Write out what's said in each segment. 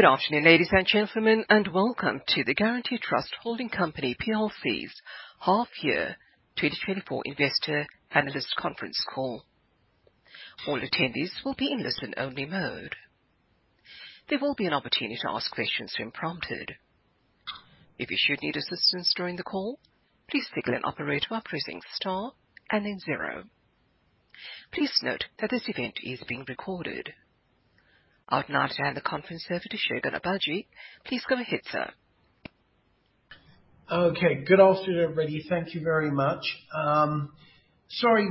Good afternoon, ladies and gentlemen, and welcome to the Guaranty Trust Holding Company Plc's half year 2024 investor analyst conference call. All attendees will be in listen only mode. There will be an opportunity to ask questions when prompted. If you should need assistance during the call, please signal an operator by pressing star and then zero. Please note that this event is being recorded. I'd now hand the conference over to Segun Agbaje. Please go ahead, sir. Okay. Good afternoon, everybody. Thank you very much. Sorry,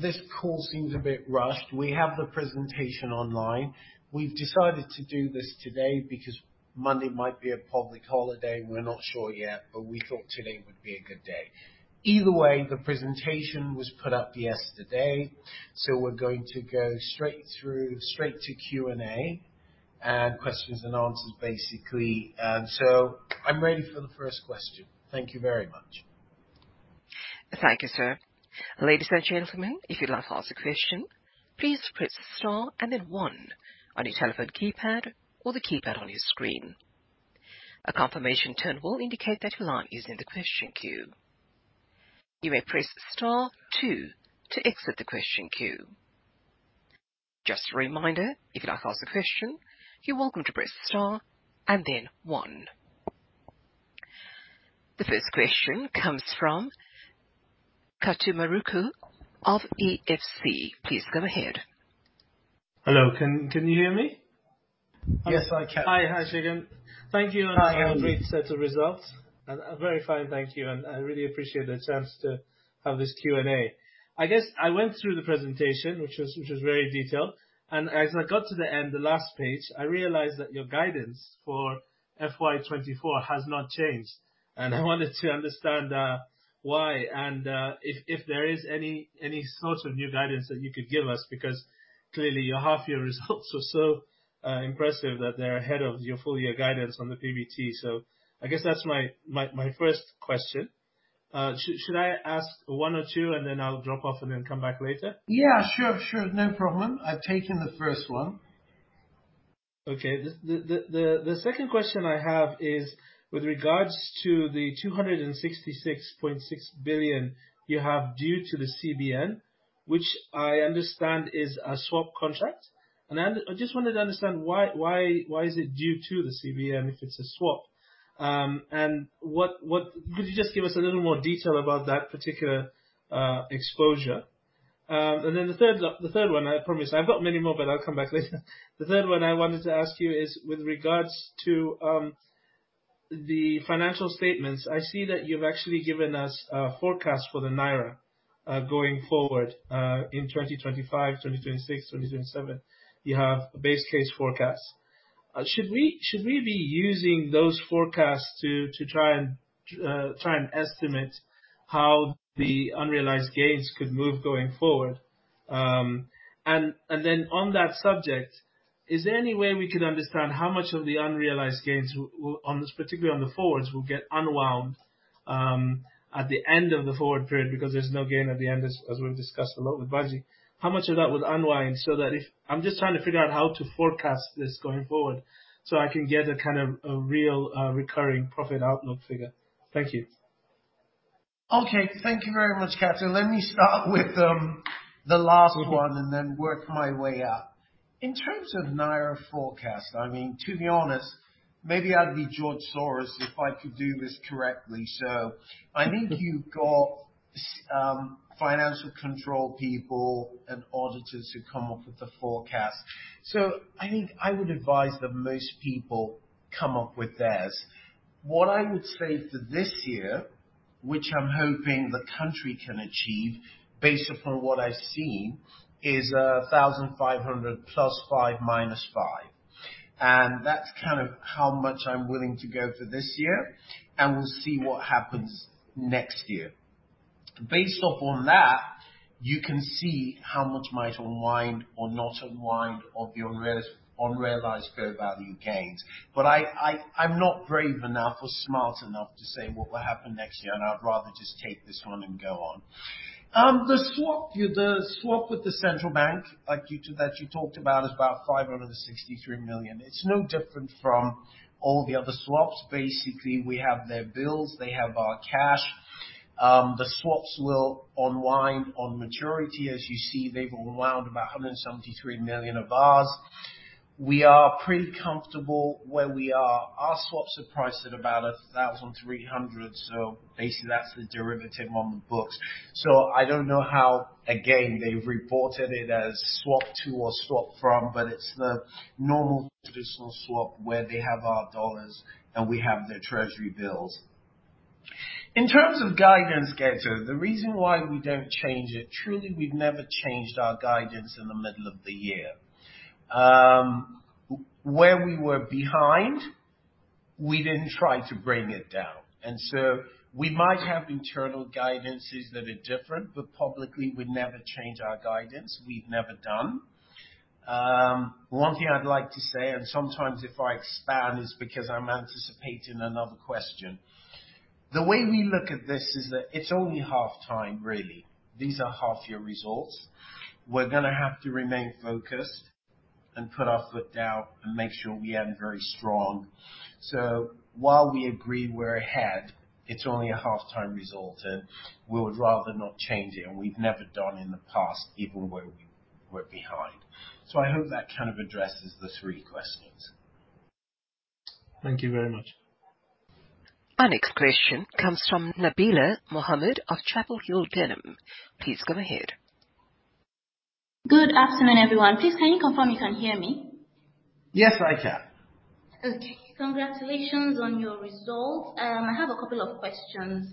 this call seems a bit rushed. We have the presentation online. We've decided to do this today because Monday might be a public holiday. We're not sure yet, but we thought today would be a good day. Either way, the presentation was put up yesterday, so we're going to go straight through, straight to Q&A, and questions and answers, basically, and so I'm ready for the first question. Thank you very much. Thank you, sir. Ladies and gentlemen, if you'd like to ask a question, please press star and then one on your telephone keypad or the keypad on your screen. A confirmation tone will indicate that you are in the question queue. You may press star two to exit the question queue. Just a reminder, if you'd like to ask a question, you're welcome to press star and then one. The first question comes from Kato Mukuru of EFG Hermes. Please go ahead. Hello, can you hear me? Yes, I can. Hi. Hi, Segun. Thank you and a great set of results. I'm very fine, thank you, and I really appreciate the chance to have this Q&A. I guess I went through the presentation, which was very detailed, and as I got to the end, the last page, I realized that your guidance for FY 2024 has not changed. I wanted to understand why and if there is any sort of new guidance that you could give us, because clearly, your half year results are so impressive that they're ahead of your full year guidance on the PBT. I guess that's my first question. Should I ask one or two, and then I'll drop off and then come back later? Yeah, sure. Sure, no problem. I've taken the first one. Okay. The second question I have is with regards to the 266.6 billion you have due to the CBN, which I understand is a swap contract. And then I just wanted to understand why is it due to the CBN if it's a swap? And what could you just give us a little more detail about that particular exposure? And then the third one, I promise I've got many more, but I'll come back later. The third one I wanted to ask you is with regards to the financial statements. I see that you've actually given us a forecast for the naira going forward in 2025, 2026, 2027. You have a base case forecast. Should we be using those forecasts to try and estimate how the unrealized gains could move going forward? And then on that subject, is there any way we could understand how much of the unrealized gains were on this, particularly on the forwards, will get unwound at the end of the forward period? Because there's no gain at the end, as we've discussed a lot with Banji. How much of that would unwind so that if... I'm just trying to figure out how to forecast this going forward, so I can get a kind of a real recurring profit outlook figure. Thank you. Okay. Thank you very much, Kato. Let me start with the last one and then work my way up. In terms of naira forecast, I mean, to be honest, maybe I'd be George Soros if I could do this correctly. So I think you've got financial control people and auditors who come up with the forecast. So I think I would advise that most people come up with theirs. What I would say for this year, which I'm hoping the country can achieve, based upon what I've seen, is thousand five hundred plus five, minus five. And that's kind of how much I'm willing to go for this year, and we'll see what happens next year. Based off on that, you can see how much might unwind or not unwind of the unrealized fair value gains. But I’m not brave enough or smart enough to say what will happen next year, and I’d rather just take this one and go on. The swap with the central bank, like you two- that you talked about, is about $563 million. It’s no different from all the other swaps. Basically, we have their bills, they have our cash. The swaps will unwind on maturity. As you see, they’ve unwound about $173 million of ours. We are pretty comfortable where we are. Our swaps are priced at about 1,300, so basically, that’s the derivative on the books. So I don’t know how, again, they’ve reported it as swap to or swap from, but it’s the normal traditional swap, where they have our dollars, and we have their treasury bills. In terms of guidance, Kato, the reason why we don't change it, truly, we've never changed our guidance in the middle of the year. Where we were behind, we didn't try to bring it down, and so we might have internal guidances that are different, but publicly, we'd never change our guidance. We've never done. One thing I'd like to say, and sometimes if I expand, it's because I'm anticipating another question. The way we look at this is that it's only half time, really. These are half year results. We're gonna have to remain focused and put our foot down and make sure we end very strong. So while we agree we're ahead, it's only a half time result, and we would rather not change it, and we've never done in the past, even when we were behind. So I hope that kind of addresses the three questions. Thank you very much. Our next question comes from Nabila Mohammed of Chapel Hill Denham. Please go ahead. Good afternoon, everyone. Please, can you confirm you can hear me? Yes, I can. Okay. Congratulations on your results. I have a couple of questions.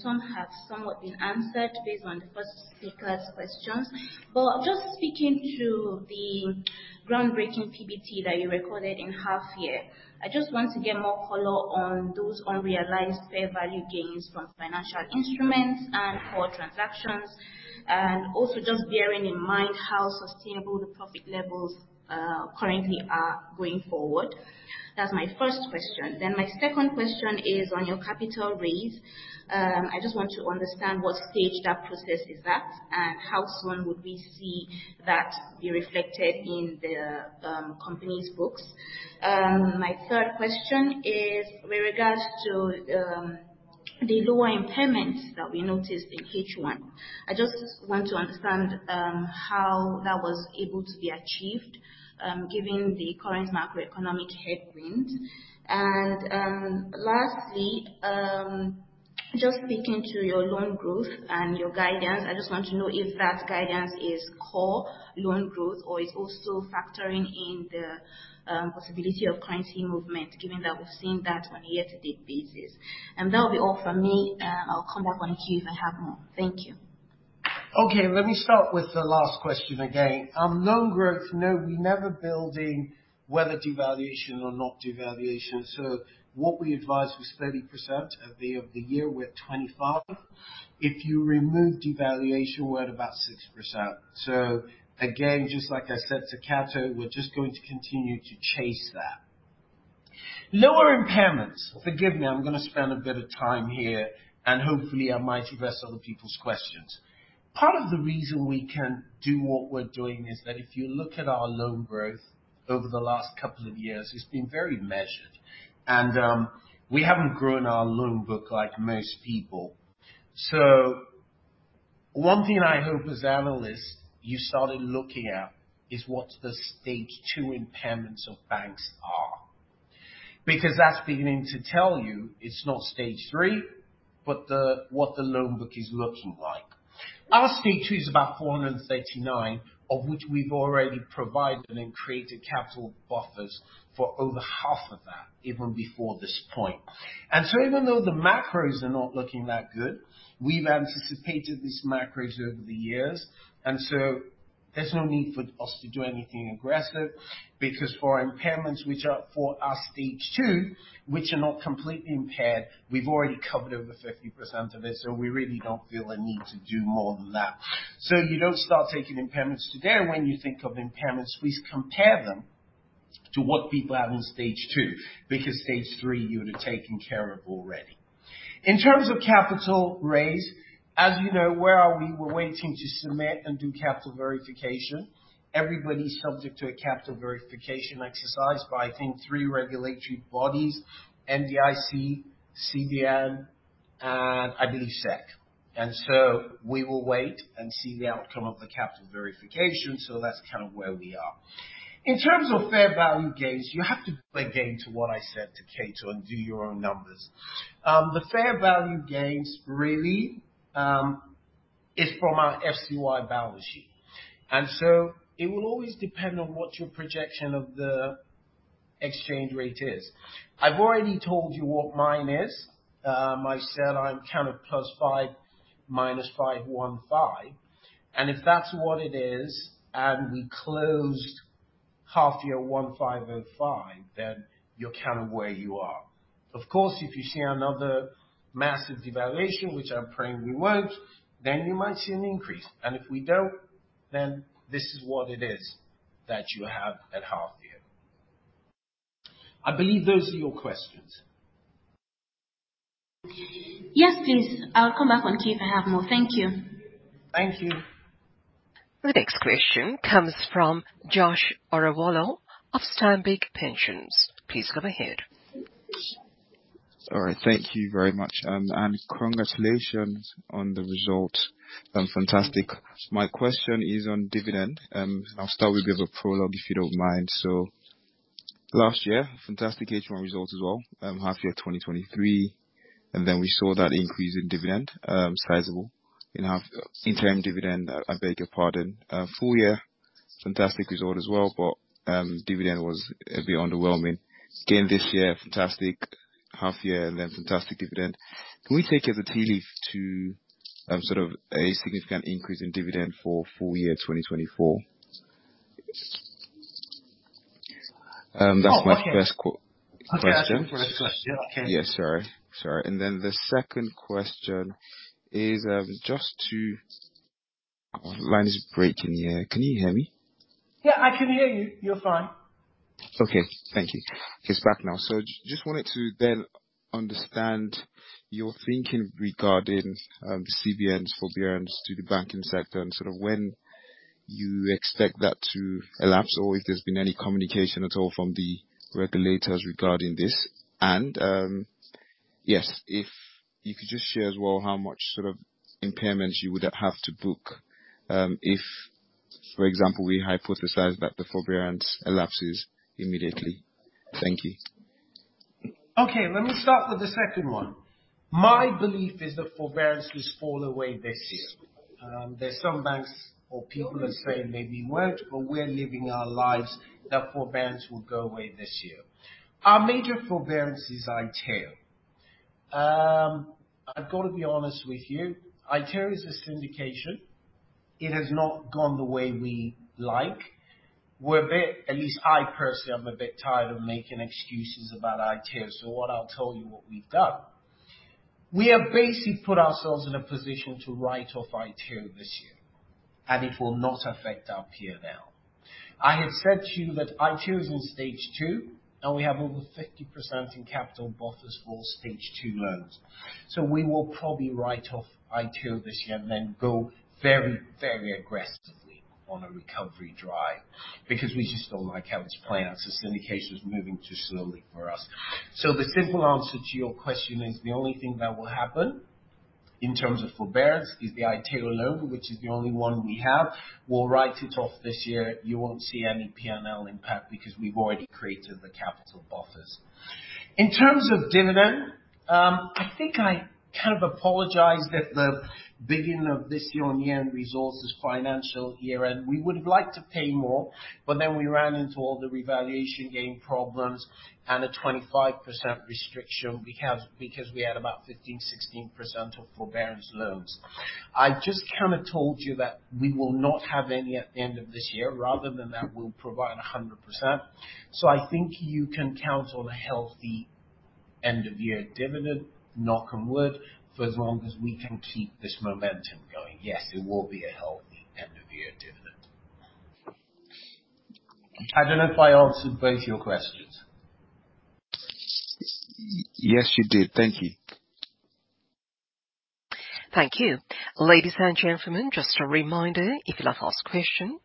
Some have somewhat been answered based on the first speaker's questions. But just speaking to the groundbreaking PBT that you recorded in half year, I just want to get more color on those unrealized fair value gains from financial instruments and forex transactions, and also just bearing in mind how sustainable the profit levels currently are going forward. That's my first question. Then my second question is on your capital raise. I just want to understand what stage that process is at, and how soon would we see that be reflected in the company's books? My third question is with regards to the lower impairments that we noticed in H1. I just want to understand how that was able to be achieved given the current macroeconomic headwinds. Lastly, just speaking to your loan growth and your guidance, I just want to know if that guidance is core loan growth, or is also factoring in the possibility of currency movement, given that we've seen that on a year-to-date basis. That will be all from me, and I'll come back in the queue if I have more. Thank you. Okay, let me start with the last question again. Loan growth, no, we're never building whether devaluation or not devaluation, so what we advised was 30% of the year, we're at 25%. If you remove devaluation, we're at about 6%. So again, just like I said to Kato, we're just going to continue to chase that. Lower impairments, forgive me, I'm gonna spend a bit of time here, and hopefully I might address other people's questions. Part of the reason we can do what we're doing is that if you look at our loan growth over the last couple of years, it's been very measured. And, we haven't grown our loan book like most people. So one thing I hope as analysts, you started looking at, is what the Stage 2 impairments of banks are. Because that's beginning to tell you, it's not Stage 3, but the, what the loan book is looking like. Our Stage 2 is about 439, of which we've already provided and created capital buffers for over half of that, even before this point. And so even though the macros are not looking that good, we've anticipated these macros over the years, and so there's no need for us to do anything aggressive, because for impairments which are for our Stage 2, which are not completely impaired, we've already covered over 50% of it, so we really don't feel a need to do more than that. So you don't start taking impairments today. When you think of impairments, please compare them to what people have on Stage 2, because Stage 3, you would have taken care of already. In terms of capital raise, as you know, where are we? We're waiting to submit and do capital verification. Everybody's subject to a capital verification exercise by, I think, three regulatory bodies, NDIC, CBN, and I believe SEC. And so we will wait and see the outcome of the capital verification. So that's kind of where we are. In terms of fair value gains, you have to play game to what I said to Kato and do your own numbers. The fair value gains, really, is from our FCY balance sheet, and so it will always depend on what your projection of the exchange rate is. I've already told you what mine is. I said I'm kind of plus 5, minus 5, 1.5. And if that's what it is, and we closed half year 1,505, then you're kind of where you are. Of course, if you see another massive devaluation, which I'm praying we won't, then you might see an increase, and if we don't, then this is what it is that you have at half year. I believe those are your questions. Yes, please. I'll come back on queue if I have more. Thank you. Thank you. The next question comes from Josh Arowolo of Stanbic Pensions. Please go ahead. All right. Thank you very much, and congratulations on the results. Fantastic. My question is on dividend, and I'll start with a bit of a prologue, if you don't mind. So last year, fantastic H1 results as well, half year of 2023, and then we saw that increase in dividend, sizable in half-interim dividend, I beg your pardon. Full year, fantastic result as well, but, dividend was a bit underwhelming. Again, this year, fantastic half year, and then fantastic dividend. Can we take it as a tea leaf to, sort of a significant increase in dividend for full year 2024? That's my first question. Okay. I think first question. Yeah, okay. Yes, sorry. Sorry. And then the second question is, Our line is breaking here. Can you hear me? Yeah, I can hear you. You're fine. Okay, thank you. It's back now, so just wanted to then understand your thinking regarding the CBN's forbearance to the banking sector, and sort of when you expect that to elapse, or if there's been any communication at all from the regulators regarding this, and yes, if you could just share as well how much, sort of, impairments you would have to book, if, for example, we hypothesized that the forbearance elapses immediately. Thank you. Okay, let me start with the second one. My belief is that forbearance will fall away this year. There's some banks or people who are saying maybe it won't, but we're living our lives that forbearance will go away this year. Our major forbearance is Aiteo. I've got to be honest with you, Aiteo is a syndication. It has not gone the way we like. We're a bit, at least I personally, am a bit tired of making excuses about Aiteo, so what I'll tell you what we've done. We have basically put ourselves in a position to write off Aiteo this year, and it will not affect our P&L. I had said to you that Aiteo is on stage two, and we have over 50% in capital buffers for stage two loans. So we will probably write off Aiteo this year and then go very, very aggressively on a recovery drive, because we just don't like how it's playing out. The syndication is moving too slowly for us. So the simple answer to your question is, the only thing that will happen in terms of forbearance is the Aiteo loan, which is the only one we have. We'll write it off this year. You won't see any PNL impact because we've already created the capital buffers. In terms of dividend, I think I kind of apologized that the beginning of this year-on-year end results is financial year-end. We would have liked to pay more, but then we ran into all the revaluation gain problems and a 25% restriction, because we had about 15-16% of forbearance loans. I've just kind of told you that we will not have any at the end of this year, rather than that, we'll provide 100%. So I think you can count on a healthy end-of-year dividend, knock on wood, for as long as we can keep this momentum going. Yes, it will be a healthy end-of-year dividend. I don't know if I answered both your questions. Yes, you did. Thank you. Thank you. Ladies and gentlemen, just a reminder, if you'd like to ask a question,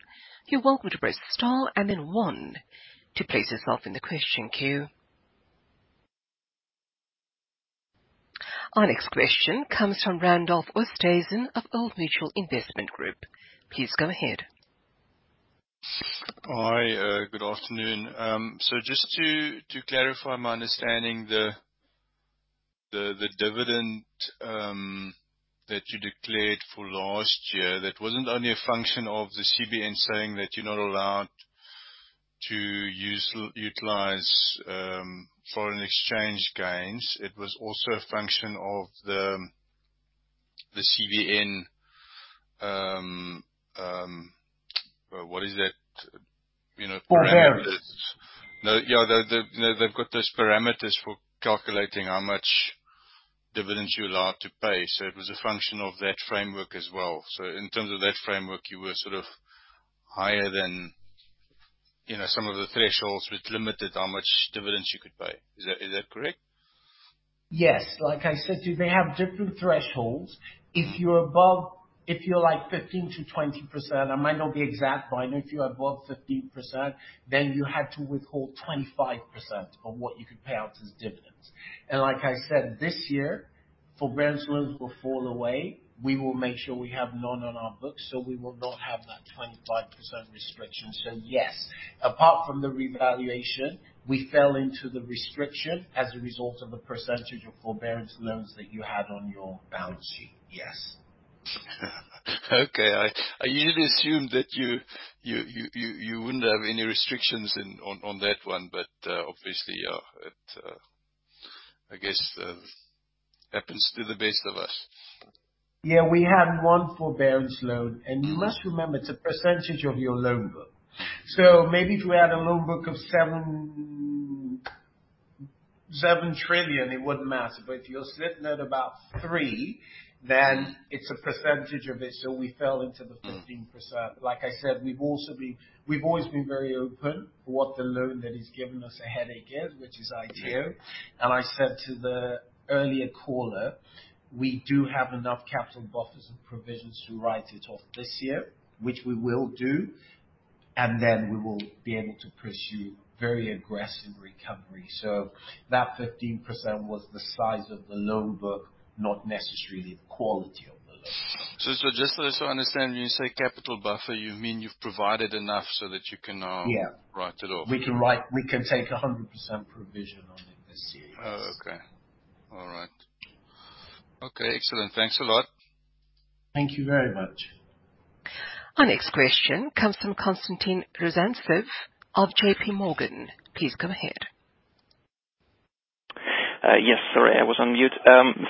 you're welcome to press star and then one to place yourself in the question queue. Our next question comes from Randolph Oosthuizen of Old Mutual Investment Group. Please go ahead. Hi, good afternoon. So just to clarify my understanding, the dividend that you declared for last year, that wasn't only a function of the CBN saying that you're not allowed to utilize foreign exchange gains. It was also a function of the CBN, what is that? You know- Forbearance. No, yeah, they've got those parameters for calculating how much dividends you're allowed to pay, so it was a function of that framework as well. So in terms of that framework, you were sort of higher than, you know, some of the thresholds, which limited how much dividends you could pay. Is that correct? Yes. Like I said to you, they have different thresholds. If you're above, if you're, like, 15%-20%, I might not be exact, but I know if you're above 15%, then you had to withhold 25% of what you could pay out as dividends. And like I said, this year, forbearance loans will fall away. We will make sure we have none on our books, so we will not have that 25% restriction. So yes, apart from the revaluation, we fell into the restriction as a result of the percentage of forbearance loans that you had on your balance sheet. Yes. Okay. I usually assume that you wouldn't have any restrictions in on that one, but obviously it I guess happens to the best of us. Yeah. We had one forbearance loan, and you must remember, it's a percentage of your loan book. So maybe if we had a loan book of 7 trillion, it wouldn't matter, but if you're sitting at about 3 trillion, then it's a percentage of it, so we fell into the 15%. Mm. Like I said, we've also been. We've always been very open for what the loan that has given us a headache is, which isAiteo. And I said to the earlier caller, we do have enough capital buffers and provisions to write it off this year, which we will do, and then we will be able to pursue very aggressive recovery. So that 15% was the size of the loan book, not necessarily the quality of the loan. So, so just so I understand, when you say capital buffer, you mean you've provided enough so that you can? Yeah. Write it off? We can take a 100% provision on it this year. Oh, okay. All right. Okay, excellent. Thanks a lot. Thank you very much. Our next question comes from Konstantin Rozantsev of J.P. Morgan. Please go ahead. Yes, sorry, I was on mute.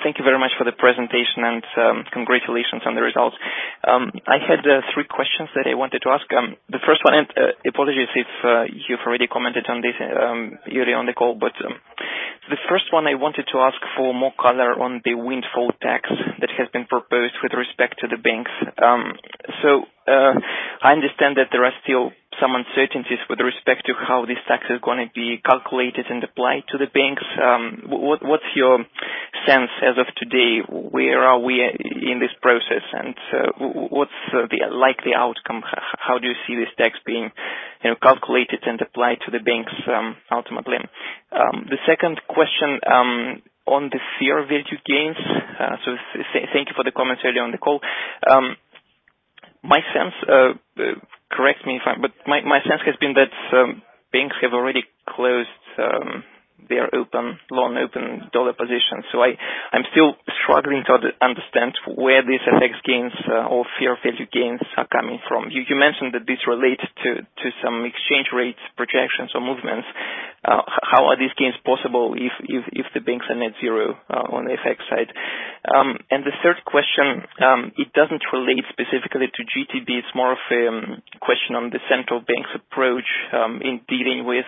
Thank you very much for the presentation and congratulations on the results. I had three questions that I wanted to ask. Apologies if you've already commented on this earlier on the call, but the first one, I wanted to ask for more color on the windfall tax that has been proposed with respect to the banks. So, I understand that there are still some uncertainties with respect to how this tax is gonna be calculated and applied to the banks. What, what's your sense as of today? Where are we in this process, and what's the likely outcome? How do you see this tax being, you know, calculated and applied to the banks ultimately? The second question, on the fair value gains, so thank you for the comments earlier on the call. My sense, correct me if I'm... But my sense has been that banks have already closed their open long dollar positions. So I'm still struggling to understand where this affects gains or fair value gains are coming from. You mentioned that this relates to some exchange rates, projections or movements. How are these gains possible if the banks are net zero on the FX side? And the third question, it doesn't relate specifically to GTB. It's more of a question on the central bank's approach in dealing with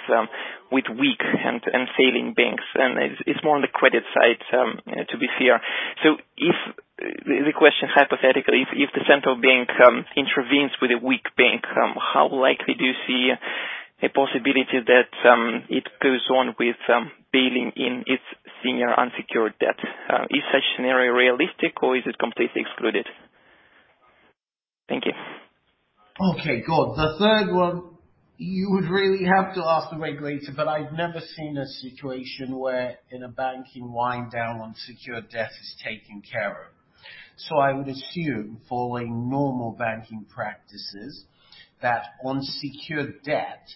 weak and failing banks, and it's more on the credit side, to be clear. So if... The question, hypothetically, if the central bank intervenes with a weak bank, how likely do you see a possibility that it goes on with bailing in its senior unsecured debt? Is such a scenario realistic or is it completely excluded? Thank you. Okay, good. The third one, you would really have to ask the regulator, but I've never seen a situation where in a banking wind down, unsecured debt is taken care of. So I would assume, following normal banking practices, that unsecured debt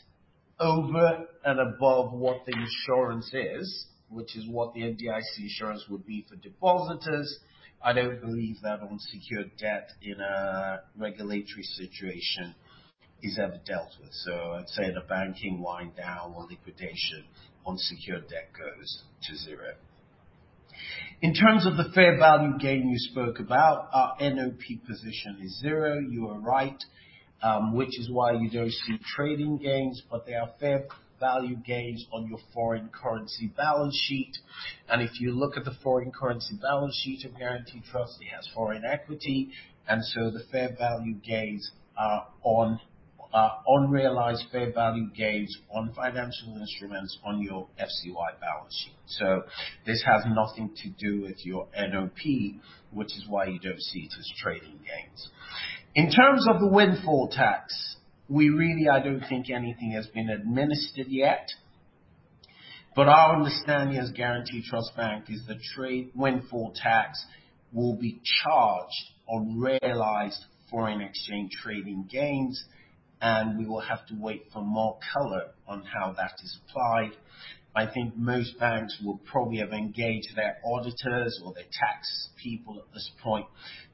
over and above what the insurance is, which is what the FDIC insurance would be for depositors. I don't believe that unsecured debt in a regulatory situation is ever dealt with. So I'd say in a banking wind down or liquidation, unsecured debt goes to zero. In terms of the fair value gain you spoke about, our NOP position is zero, you are right. Which is why you don't see trading gains, but there are fair value gains on your foreign currency balance sheet. And if you look at the foreign currency balance sheet of Guaranty Trust, it has foreign equity, and so the fair value gains are on unrealized fair value gains on financial instruments on your FCY balance sheet. So this has nothing to do with your NOP, which is why you don't see it as trading gains. In terms of the windfall tax, we really, I don't think anything has been administered yet, but our understanding as Guaranty Trust Bank is the trade windfall tax will be charged on realized foreign exchange trading gains, and we will have to wait for more color on how that is applied. I think most banks will probably have engaged their auditors or their tax people at this point,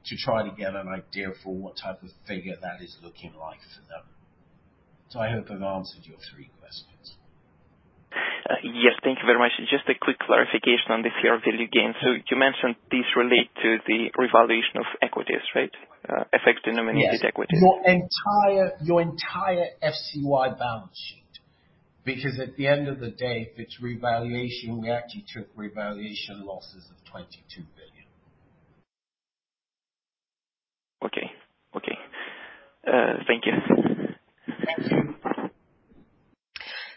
to try to get an idea for what type of figure that is looking like for them. So I hope I've answered your three questions. Yes, thank you very much. Just a quick clarification on the fair value gains. So you mentioned these relate to the revaluation of equities, right? Affecting nominated equity. Yes. Your entire, your entire FCY balance sheet, because at the end of the day, if it's revaluation, we actually took revaluation losses of 22 billion. Okay. Okay. Thank you. Thank you.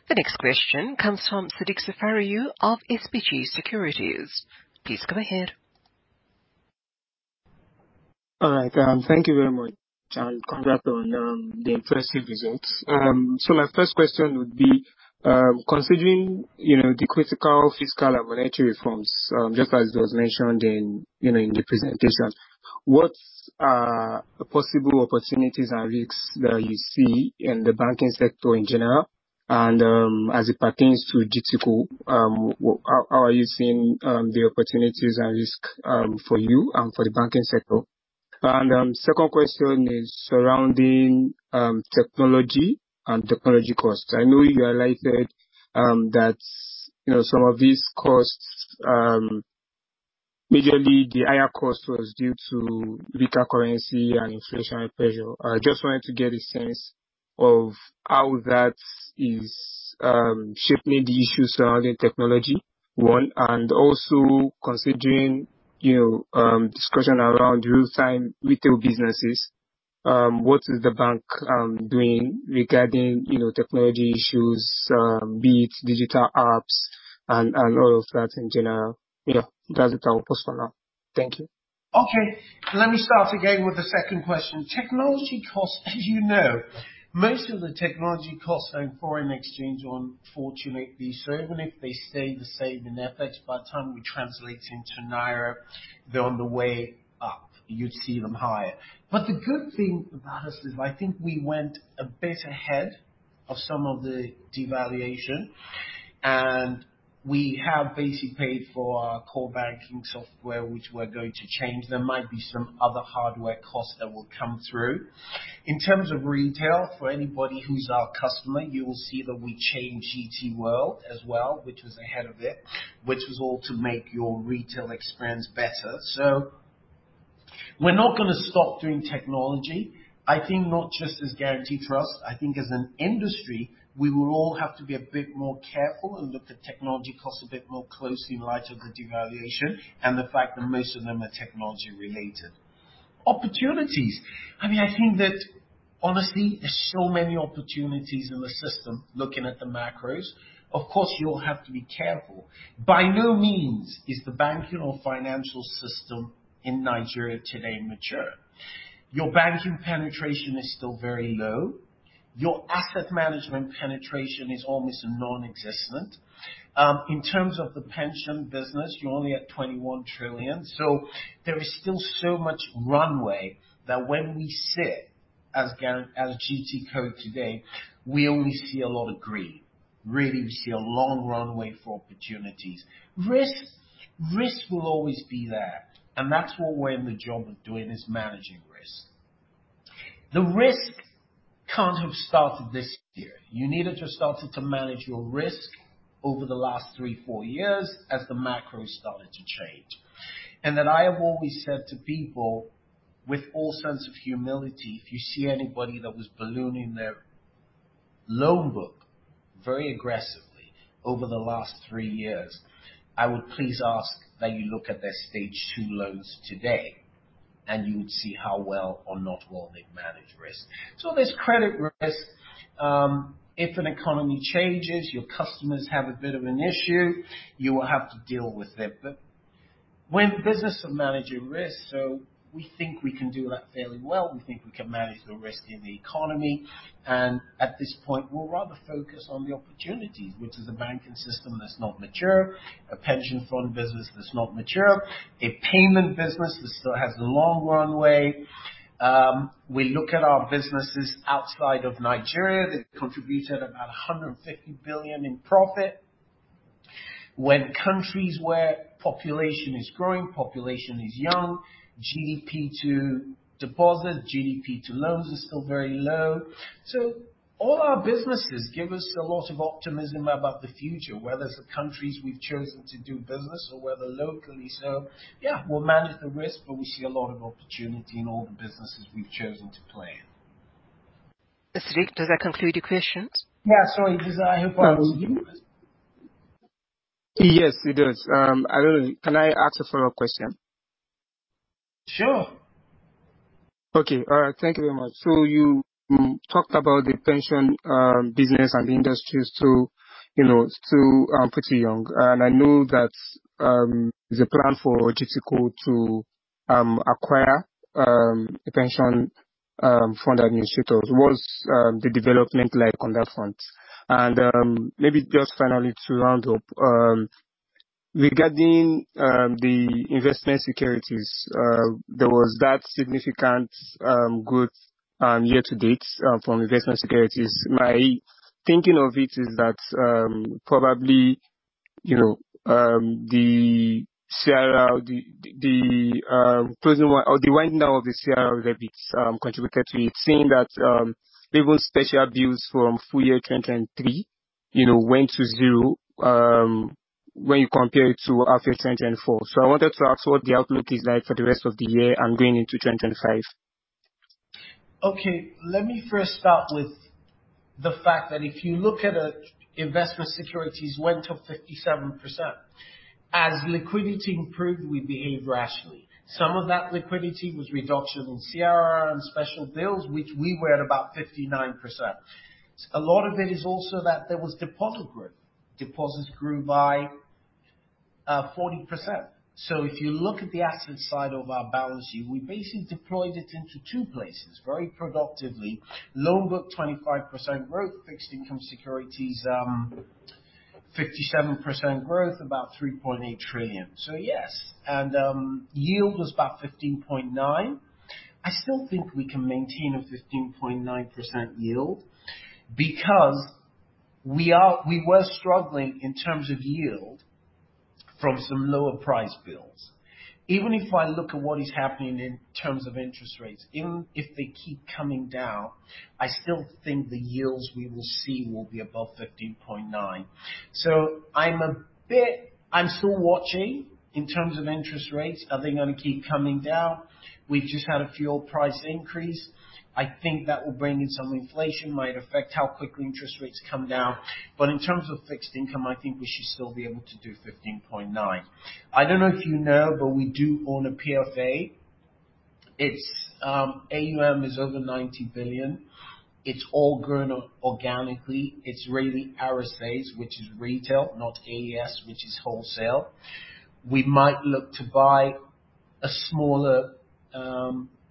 The next question comes from Sadiq Saffari of SBG Securities. Please go ahead. All right, thank you very much, and congrats on the impressive results. So my first question would be, considering, you know, the critical fiscal and monetary reforms, just as it was mentioned in, you know, in the presentation, what are possible opportunities and risks that you see in the banking sector in general? And, as it pertains to GTCO, how, how are you seeing the opportunities and risk for you and for the banking sector? And, second question is surrounding technology and technology costs. I know you highlighted that, you know, some of these costs, majorly the higher cost was due to weaker currency and inflationary pressure. I just wanted to get a sense of how that is shaping the issues surrounding technology, one, and also considering, you, discussion around real-time retail businesses, what is the bank doing regarding, you know, technology issues, be it digital apps and, and all of that in general? Yeah, that's it. I will pause for now. Thank you. Okay. Let me start again with the second question. Technology costs, as you know, most of the technology costs are in foreign exchange, unfortunately. So even if they stay the same in FX, by the time we translate into Naira, they're on the way up. You'd see them higher. But the good thing about us is, I think we went a bit ahead of some of the devaluation, and we have basically paid for our core banking software, which we're going to change. There might be some other hardware costs that will come through. In terms of retail, for anybody who's our customer, you will see that we changed GT World as well, which was ahead of it, which was all to make your retail experience better. So we're not gonna stop doing technology. I think not just as Guaranty Trust, I think as an industry, we will all have to be a bit more careful and look at technology costs a bit more closely in light of the devaluation and the fact that most of them are technology related. Opportunities, I mean, I think that honestly, there's so many opportunities in the system looking at the macros. Of course, you'll have to be careful. By no means is the banking or financial system in Nigeria today mature. Your banking penetration is still very low. Your asset management penetration is almost nonexistent. In terms of the pension business, you're only at twenty-one trillion, so there is still so much runway that when we sit as GTCO today, we only see a lot of green. Really, we see a long runway for opportunities. Risk, risk will always be there, and that's what we're in the job of doing, is managing risk. The risk can't have started this year. You needed to have started to manage your risk over the last three, four years as the macro started to change. And then, I have always said to people, with all sense of humility, if you see anybody that was ballooning their loan book very aggressively over the last three years, I would please ask that you look at their stage two loans today, and you would see how well or not well they've managed risk. So there's credit risk. If an economy changes, your customers have a bit of an issue, you will have to deal with it. But we're in the business of managing risk, so we think we can do that fairly well. We think we can manage the risk in the economy, and at this point, we're rather focused on the opportunities, which is a banking system that's not mature, a pension fund business that's not mature, a payment business that still has a long runway. We look at our businesses outside of Nigeria, they've contributed about 150 billion in profit. When countries where population is growing, population is young, GDP to deposit, GDP to loans is still very low. So all our businesses give us a lot of optimism about the future, whether it's the countries we've chosen to do business or whether locally. So yeah, we'll manage the risk, but we see a lot of opportunity in all the businesses we've chosen to play in. Srik, does that conclude your questions? Yeah, sorry, does that answer you? Yes, it does. I don't know, can I ask a follow-up question? Sure. Okay. All right, thank you very much. So you talked about the pension business and the industry, too, you know, still pretty young. And I know that there's a plan for GTCO to acquire a pension fund administrator. What's the development like on that front? And maybe just finally to round up, regarding the investment securities, there was that significant growth year to date from investment securities. My thinking of it is that probably, you know, the CRR, the closing one or the wind down of the CRR limits contributed to it, seeing that even special deals from full year 2023, you know, went to zero when you compare it to after 2024. So I wanted to ask what the outlook is like for the rest of the year and going into 2025. Okay. Let me first start with the fact that if you look at it, investment securities went up 57%. As liquidity improved, we behaved rationally. Some of that liquidity was reduction in CRR and special bills, which we were at about 59%. A lot of it is also that there was deposit growth. Deposits grew by 40%. So if you look at the asset side of our balance sheet, we basically deployed it into two places, very productively. Loan book, 25% growth, fixed income securities, 57% growth, about 3.8 trillion. So yes, and yield was about 15.9%. I still think we can maintain a 15.9% yield, because we are, we were struggling in terms of yield from some lower price bills. Even if I look at what is happening in terms of interest rates, even if they keep coming down, I still think the yields we will see will be above 15.9%. So I'm a bit... I'm still watching in terms of interest rates. Are they gonna keep coming down? We've just had a fuel price increase. I think that will bring in some inflation, might affect how quickly interest rates come down, but in terms of fixed income, I think we should still be able to do 15.9%. I don't know if you know, but we do own a PFA. It's AUM is over 90 billion. It's all grown organically. It's really RSAs, which is retail, not AES, which is wholesale. We might look to buy a smaller,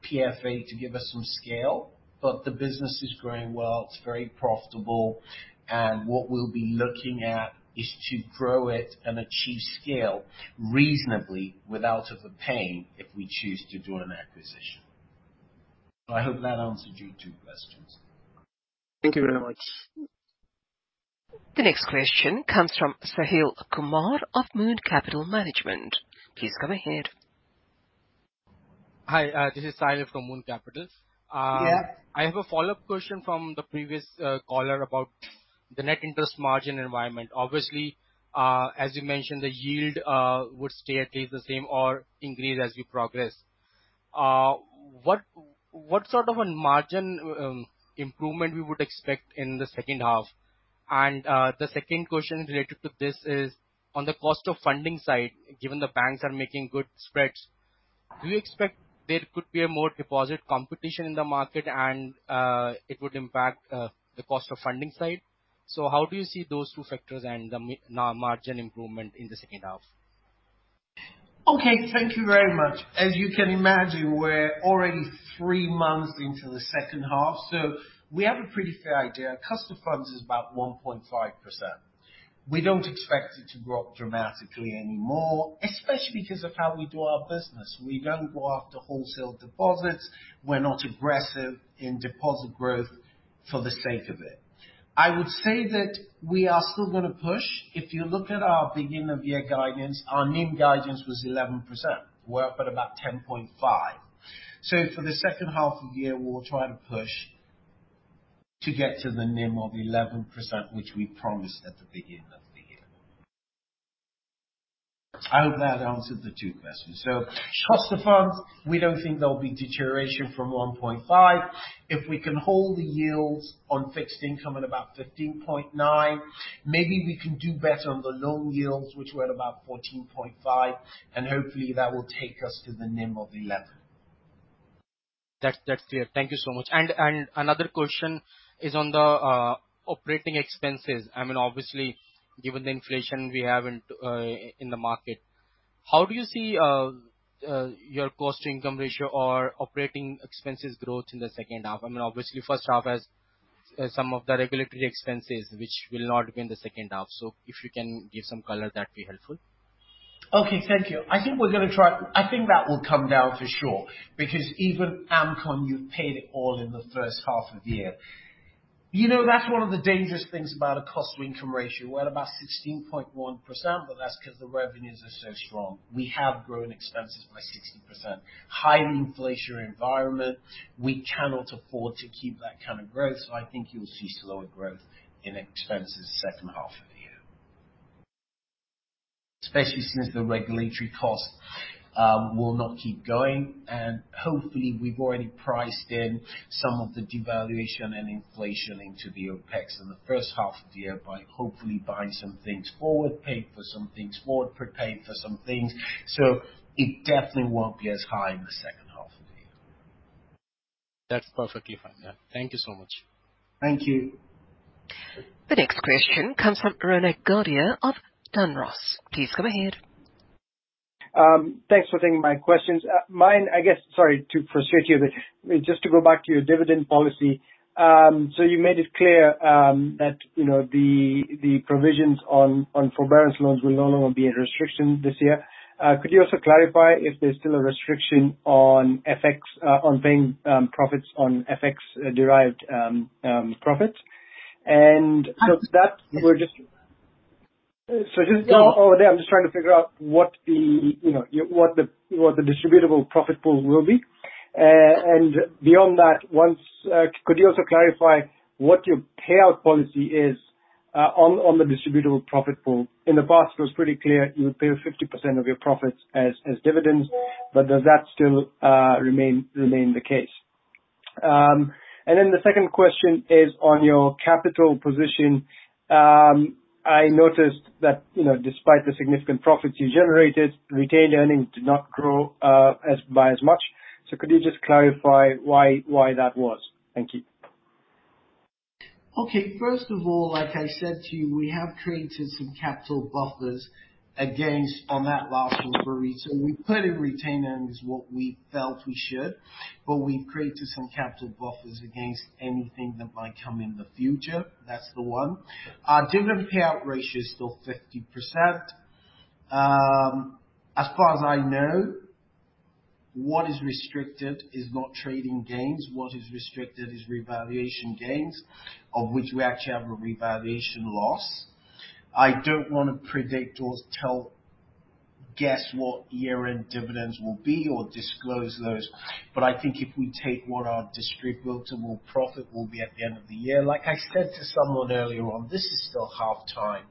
PFA to give us some scale, but the business is growing well, it's very profitable, and what we'll be looking at is to grow it and achieve scale reasonably without the pain, if we choose to do an acquisition. So I hope that answered your two questions. Thank you very much. The next question comes from Sahil Kumar of Moon Capital Management. Please go ahead. Hi, this is Sahil from Moon Capital. Yeah. I have a follow-up question from the previous caller about the net interest margin environment. Obviously, as you mentioned, the yield would stay at least the same or increase as we progress. What sort of a margin improvement we would expect in the second half? And, the second question related to this is, on the cost of funding side, given the banks are making good spreads, do you expect there could be a more deposit competition in the market, and, it would impact, the cost of funding side? So how do you see those two factors and the margin improvement in the second half? Okay, thank you very much. As you can imagine, we're already three months into the second half, so we have a pretty fair idea. Customer funds is about 1.5%. We don't expect it to go up dramatically anymore, especially because of how we do our business. We don't go after wholesale deposits. We're not aggressive in deposit growth for the sake of it. I would say that we are still gonna push. If you look at our beginning of year guidance, our NIM guidance was 11%. We're up at about 10.5. So for the second half of the year, we'll try to push to get to the NIM of 11%, which we promised at the beginning of the year. I hope that answered the two questions. So cost of funds, we don't think there'll be deterioration from 1.5%. If we can hold the yields on fixed income at about 15.9, maybe we can do better on the loan yields, which were at about 14.5, and hopefully that will take us to the NIM of 11. That's clear. Thank you so much. Another question is on the operating expenses. I mean, obviously, given the inflation we have in the market, how do you see your cost-to-income ratio or operating expenses growth in the second half? I mean, obviously, first half has some of the regulatory expenses, which will not be in the second half. So if you can give some color, that'd be helpful. Okay, thank you. I think that will come down for sure, because even AMCON, you paid it all in the first half of the year. You know, that's one of the dangerous things about a cost-to-income ratio. We're at about 16.1%, but that's 'cause the revenues are so strong. We have grown expenses by 16%. High inflation environment, we cannot afford to keep that kind of growth, so I think you'll see slower growth in expenses second half of the year, especially since the regulatory costs will not keep going. Hopefully, we've already priced in some of the devaluation and inflation into the OpEx in the first half of the year by hopefully buying some things forward, paid for some things forward, prepaid for some things. It definitely won't be as high in the second half of the year. That's perfectly fine, yeah. Thank you so much. Thank you. The next question comes from Ronak Gadhia of Dunross. Please go ahead. Thanks for taking my questions. Mine, I guess, sorry to frustrate you, but just to go back to your dividend policy. So you made it clear, that, you know, the provisions on forbearance loans will no longer be a restriction this year. Could you also clarify if there's still a restriction on FX, on paying profits on FX-derived profits? And so that we're just- Yeah. So just over there, I'm just trying to figure out what the, you know, what the distributable profit pool will be. And beyond that... Could you also clarify what your payout policy is, on, on the distributable profit pool? In the past, it was pretty clear you would pay 50% of your profits as, as dividends, but does that still remain the case? And then the second question is on your capital position. I noticed that, you know, despite the significant profits you generated, retained earnings did not grow by as much. So could you just clarify why that was? Thank you. Okay. First of all, like I said to you, we have created some capital buffers against on that last number we, so we put in retained earnings, what we felt we should, but we created some capital buffers against anything that might come in the future. That's the one. Our dividend payout ratio is still 50%. As far as I know, what is restricted is not trading gains. What is restricted is revaluation gains, of which we actually have a revaluation loss. I don't want to predict or tell, guess what year-end dividends will be or disclose those, but I think if we take what our distributable profit will be at the end of the year, like I said to someone earlier on, this is still half time,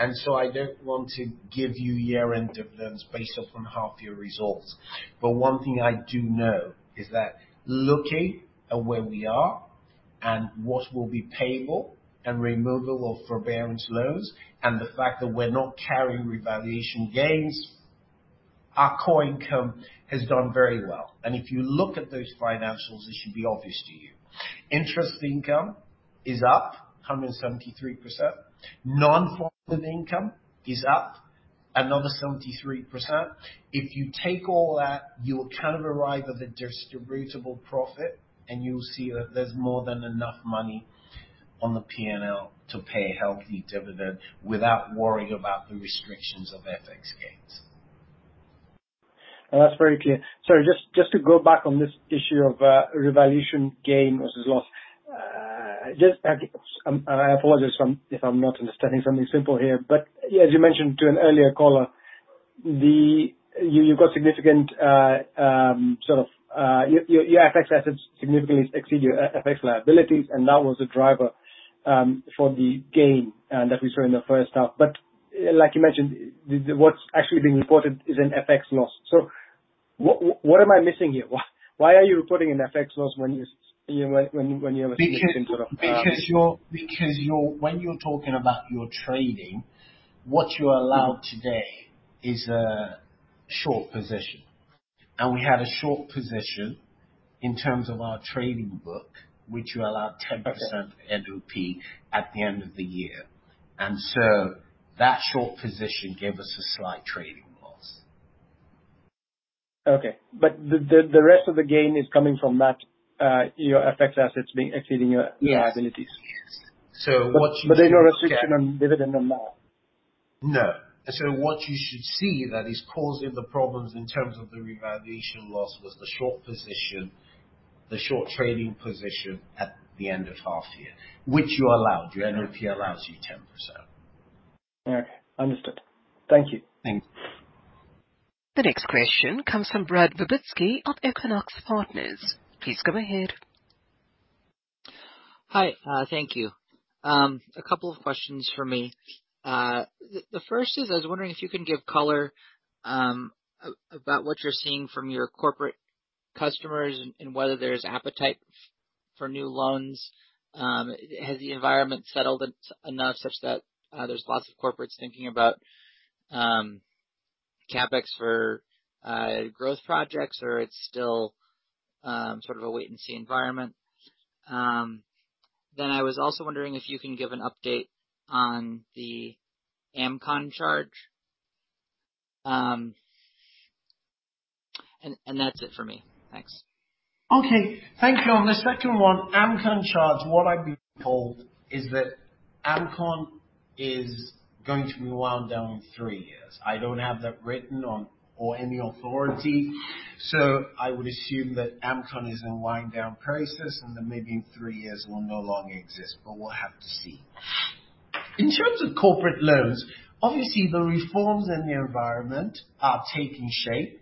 and so I don't want to give you year-end dividends based off on half year results. But one thing I do know is that looking at where we are and what will be payable and removal of forbearance loans and the fact that we're not carrying revaluation gains, our core income has done very well. And if you look at those financials, it should be obvious to you. Interest income is up 173%. Non-fund income is up another 73%. If you take all that, you'll kind of arrive at the distributable profit, and you'll see that there's more than enough money on the PNL to pay a healthy dividend without worrying about the restrictions of FX gains. That's very clear. Sorry, just to go back on this issue of revaluation gain versus loss. Just, and I apologize if I'm not understanding something simple here, but as you mentioned to an earlier caller, you've got significant sort of your FX assets significantly exceed your FX liabilities, and that was the driver for the gain that we saw in the first half. But, like you mentioned, what's actually being reported is an FX loss. So what am I missing here? Why are you reporting an FX loss when you're, you know, when you have a significant sort of Because when you're talking about your trading, what you're allowed today is a short position, and we had a short position in terms of our trading book, which you allow 10% NOP at the end of the year, and so that short position gave us a slight trading loss. Okay. But the rest of the gain is coming from that, your FX assets being exceeding your- Yes. - liabilities. Yes. So what you should- But there's no restriction on dividend on that? No. So what you should see that is causing the problems in terms of the revaluation loss, was the short position, the short trading position at the end of half year, which you're allowed, your NOP allows you 10%. Okay. Understood. Thank you. Thanks. The next question comes from Brad Virbitsky of Equinox Partners. Please go ahead. Hi, thank you. A couple of questions for me. The first is, I was wondering if you can give color about what you're seeing from your corporate customers and whether there's appetite for new loans. Has the environment settled in enough such that there's lots of corporates thinking about CapEx for growth projects, or it's still sort of a wait and see environment? Then I was also wondering if you can give an update on the AMCON charge, and that's it for me. Thanks. Okay, thank you. On the second one, AMCON charge, what I've been told is that AMCON is going to be wound down in three years. I don't have that written down or any authority, so I would assume that AMCON is in wind down process, and then maybe in three years will no longer exist, but we'll have to see. In terms of corporate loans, obviously, the reforms in the environment are taking shape.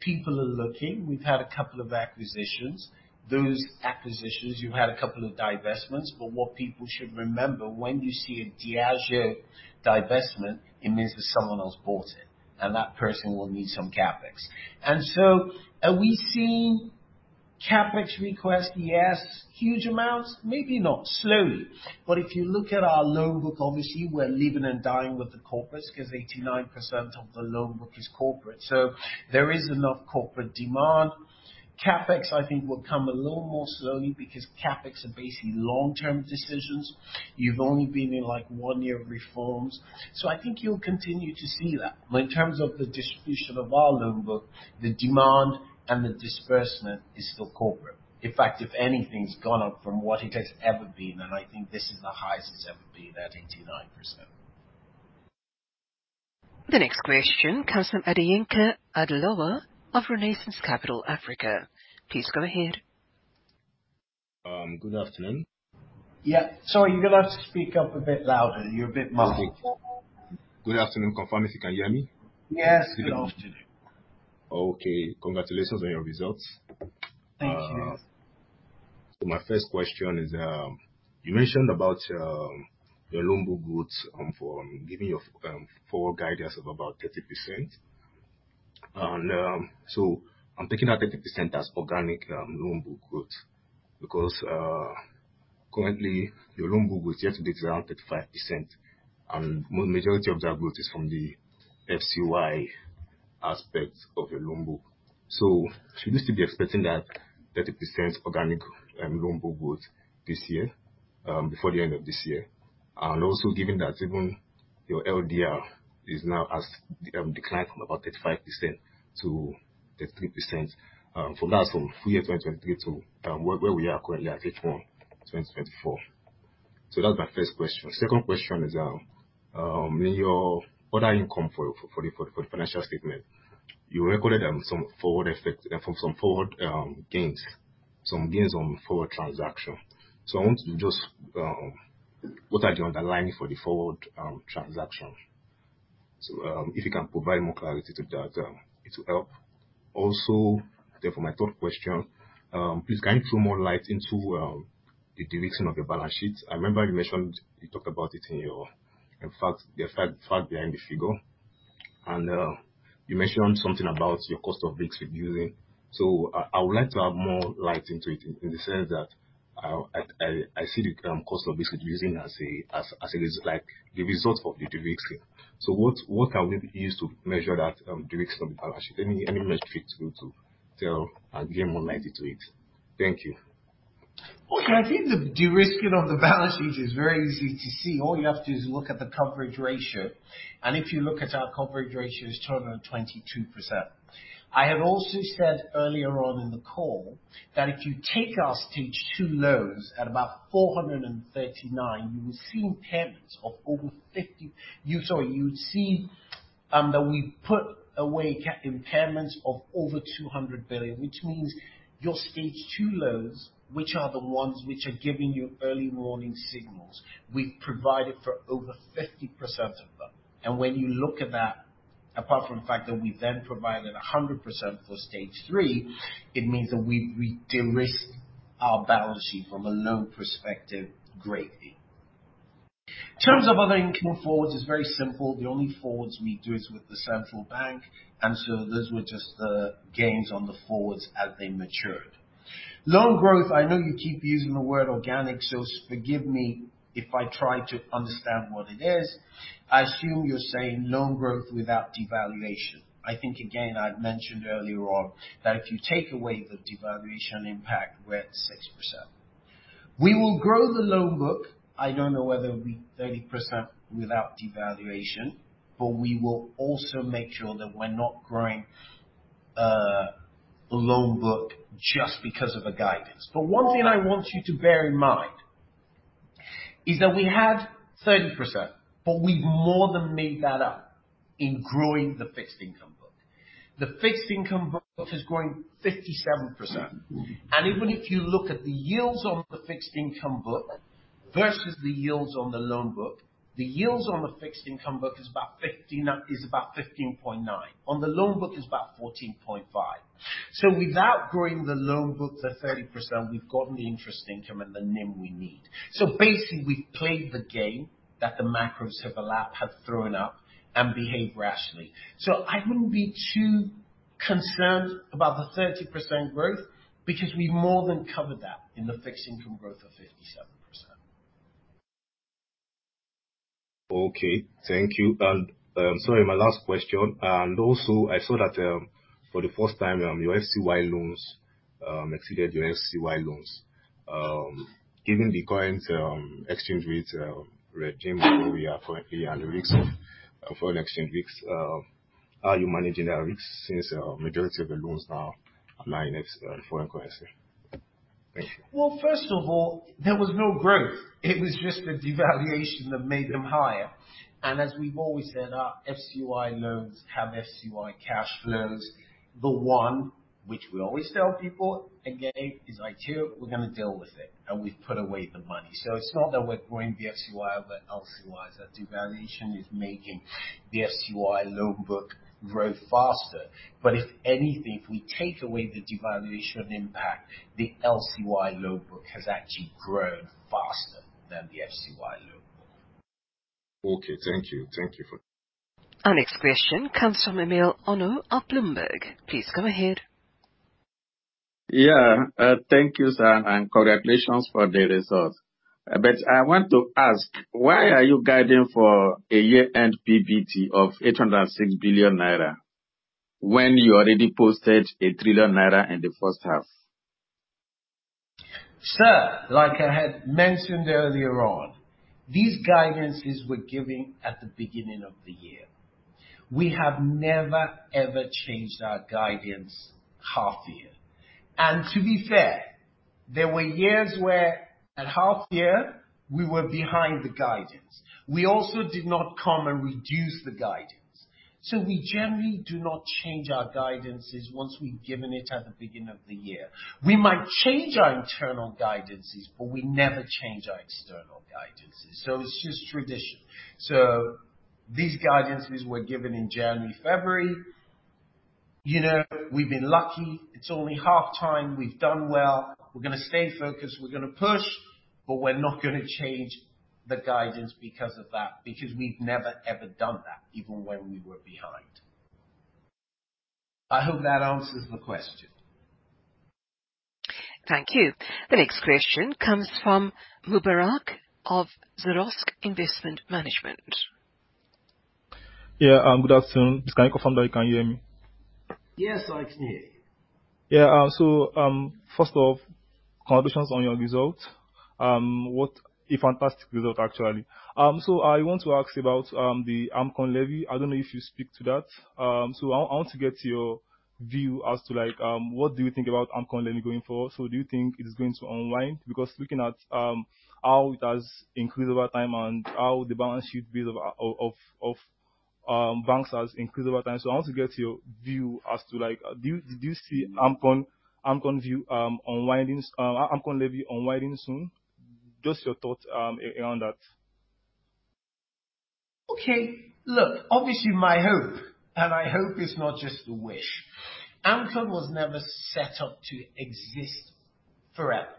People are looking. We've had a couple of acquisitions. Those acquisitions, you've had a couple of divestments, but what people should remember, when you see a Diageo divestment, it means that someone else bought it, and that person will need some CapEx, and so are we seeing CapEx requests? Yes. Huge amounts? Maybe not. Slowly. But if you look at our loan book, obviously we're living and dying with the corporates, because 89% of the loan book is corporate. So there is enough corporate demand. CapEx, I think, will come a little more slowly, because CapEx are basically long-term decisions. You've only been in, like, one year of reforms, so I think you'll continue to see that. But in terms of the distribution of our loan book, the demand and the disbursement is still corporate. In fact, if anything, it's gone up from what it has ever been, and I think this is the highest it's ever been at 89%. The next question comes from Adeyinka Adelowo of Renaissance Capital Africa. Please go ahead. Good afternoon. Yeah. Sorry, you're gonna have to speak up a bit louder. You're a bit quiet. Okay. Good afternoon. Confirm if you can hear me. Yes. Good afternoon. Okay. Congratulations on your results. Thank you. So my first question is, you mentioned about your loan book growth, following your forward guidance of about 30%. And so I'm taking that 30% as organic loan book growth, because currently, your loan book growth year to date is around 35%, and majority of that growth is from the FCY aspect of your loan book. So should we still be expecting that 30% organic loan book growth this year, before the end of this year? And also, given that even your LDR is now as declined from about 35% to 33%, from last full year, 2023, to where we are currently at H1, 2024. So that's my first question. Second question is, in your other income for the financial statement, you recorded some forward effects, some forward gains, some gains on forward transactions. So I want you to just what are the underlying for the forward transactions? So, if you can provide more clarity to that, it will help. Also, then for my third question, please can you throw more light into the deletion of your balance sheets? I remember you mentioned, you talked about it in your, in fact, the facts behind the figures, and you mentioned something about your cost of risk reducing. So I see the cost of risk reducing as it is, like, the result of the derisking. So what can we use to measure that derisking of the balance sheet? Any metrics you could to tell and give more light into it? Thank you. Okay. I think the derisking of the balance sheet is very easy to see. All you have to do is look at the coverage ratio, and if you look at our coverage ratio, it's 222%. I have also said earlier on in the call, that if you take our Stage 2 loans at about 439 billion, you will see impairments of over fifty. You, sorry, you'd see that we've put away impairments of over 200 billion, which means your Stage 2 loans, which are the ones which are giving you early warning signals, we've provided for over 50% of them. And when you look at that. Apart from the fact that we then provided 100% for Stage 3, it means that we, we de-risked our balance sheet from a loan perspective greatly. In terms of other income forwards, it's very simple. The only forwards we do is with the central bank, and so those were just the gains on the forwards as they matured. Loan growth, I know you keep using the word organic, so forgive me if I try to understand what it is. I assume you're saying loan growth without devaluation. I think, again, I'd mentioned earlier on that if you take away the devaluation impact, we're at 6%. We will grow the loan book. I don't know whether it'll be 30% without devaluation, but we will also make sure that we're not growing the loan book just because of a guidance. But one thing I want you to bear in mind is that we had 30%, but we've more than made that up in growing the fixed income book. The fixed income book is growing 57%. And even if you look at the yields on the fixed income book versus the yields on the loan book, the yields on the fixed income book is about 15, is about 15.9. On the loan book, it's about 14.5. So without growing the loan book to 30%, we've gotten the interest income and the NIM we need. So basically, we've played the game that the macros have thrown up and behaved rationally. So I wouldn't be too concerned about the 30% growth, because we've more than covered that in the fixed income growth of 57%. Okay, thank you. Sorry, my last question, and also I saw that, for the first time, your FCY loans exceeded your LCY loans. Given the current exchange rate regime where we are currently and the risks of foreign exchange risks, how are you managing that risk since majority of the loans now are in foreign currency? Thank you. Well, first of all, there was no growth. It was just the devaluation that made them higher. And as we've always said, our FCY loans have FCY cash flows. The one, which we always tell people again, is material. We're gonna deal with it, and we've put away the money. So it's not that we're growing the FCY over LCY. The devaluation is making the FCY loan book grow faster. But if anything, if we take away the devaluation impact, the LCY loan book has actually grown faster than the FCY loan book. Okay. Thank you. Our next question comes from Emele Onu of Bloomberg. Please go ahead. Yeah, thank you, sir, and congratulations for the results. But I want to ask, why are you guiding for a year-end PBT of 806 billion naira, when you already posted 1 trillion naira in the first half? Sir, like I had mentioned earlier on, these guidances were given at the beginning of the year. We have never, ever changed our guidance half year, and to be fair, there were years where, at half year, we were behind the guidance. We also did not come and reduce the guidance, so we generally do not change our guidances once we've given it at the beginning of the year. We might change our internal guidances, but we never change our external guidances, so it's just tradition, so these guidances were given in January, February. You know, we've been lucky. It's only half time. We've done well. We're gonna stay focused, we're gonna push, but we're not gonna change the guidance because of that, because we've never, ever done that, even when we were behind. I hope that answers the question. Thank you. The next question comes from Mubarak of Zrosk Investment Management. Yeah, good afternoon. Mr. Segun, hope you can hear me? Yes, I can hear you. Yeah, so, first off, congratulations on your results. What a fantastic result, actually. So I want to ask about the AMCON Levy. I don't know if you speak to that. So I want to get your view as to like what do you think about AMCON Levy going forward? So do you think it is going to unwind? Because looking at how it has increased over time and how the balance sheet build of banks has increased over time. So I want to get your view as to like... Do you see AMCON levy unwinding soon? Just your thoughts around that. Okay. Look, obviously, my hope, and I hope it's not just a wish. AMCON was never set up to exist forever.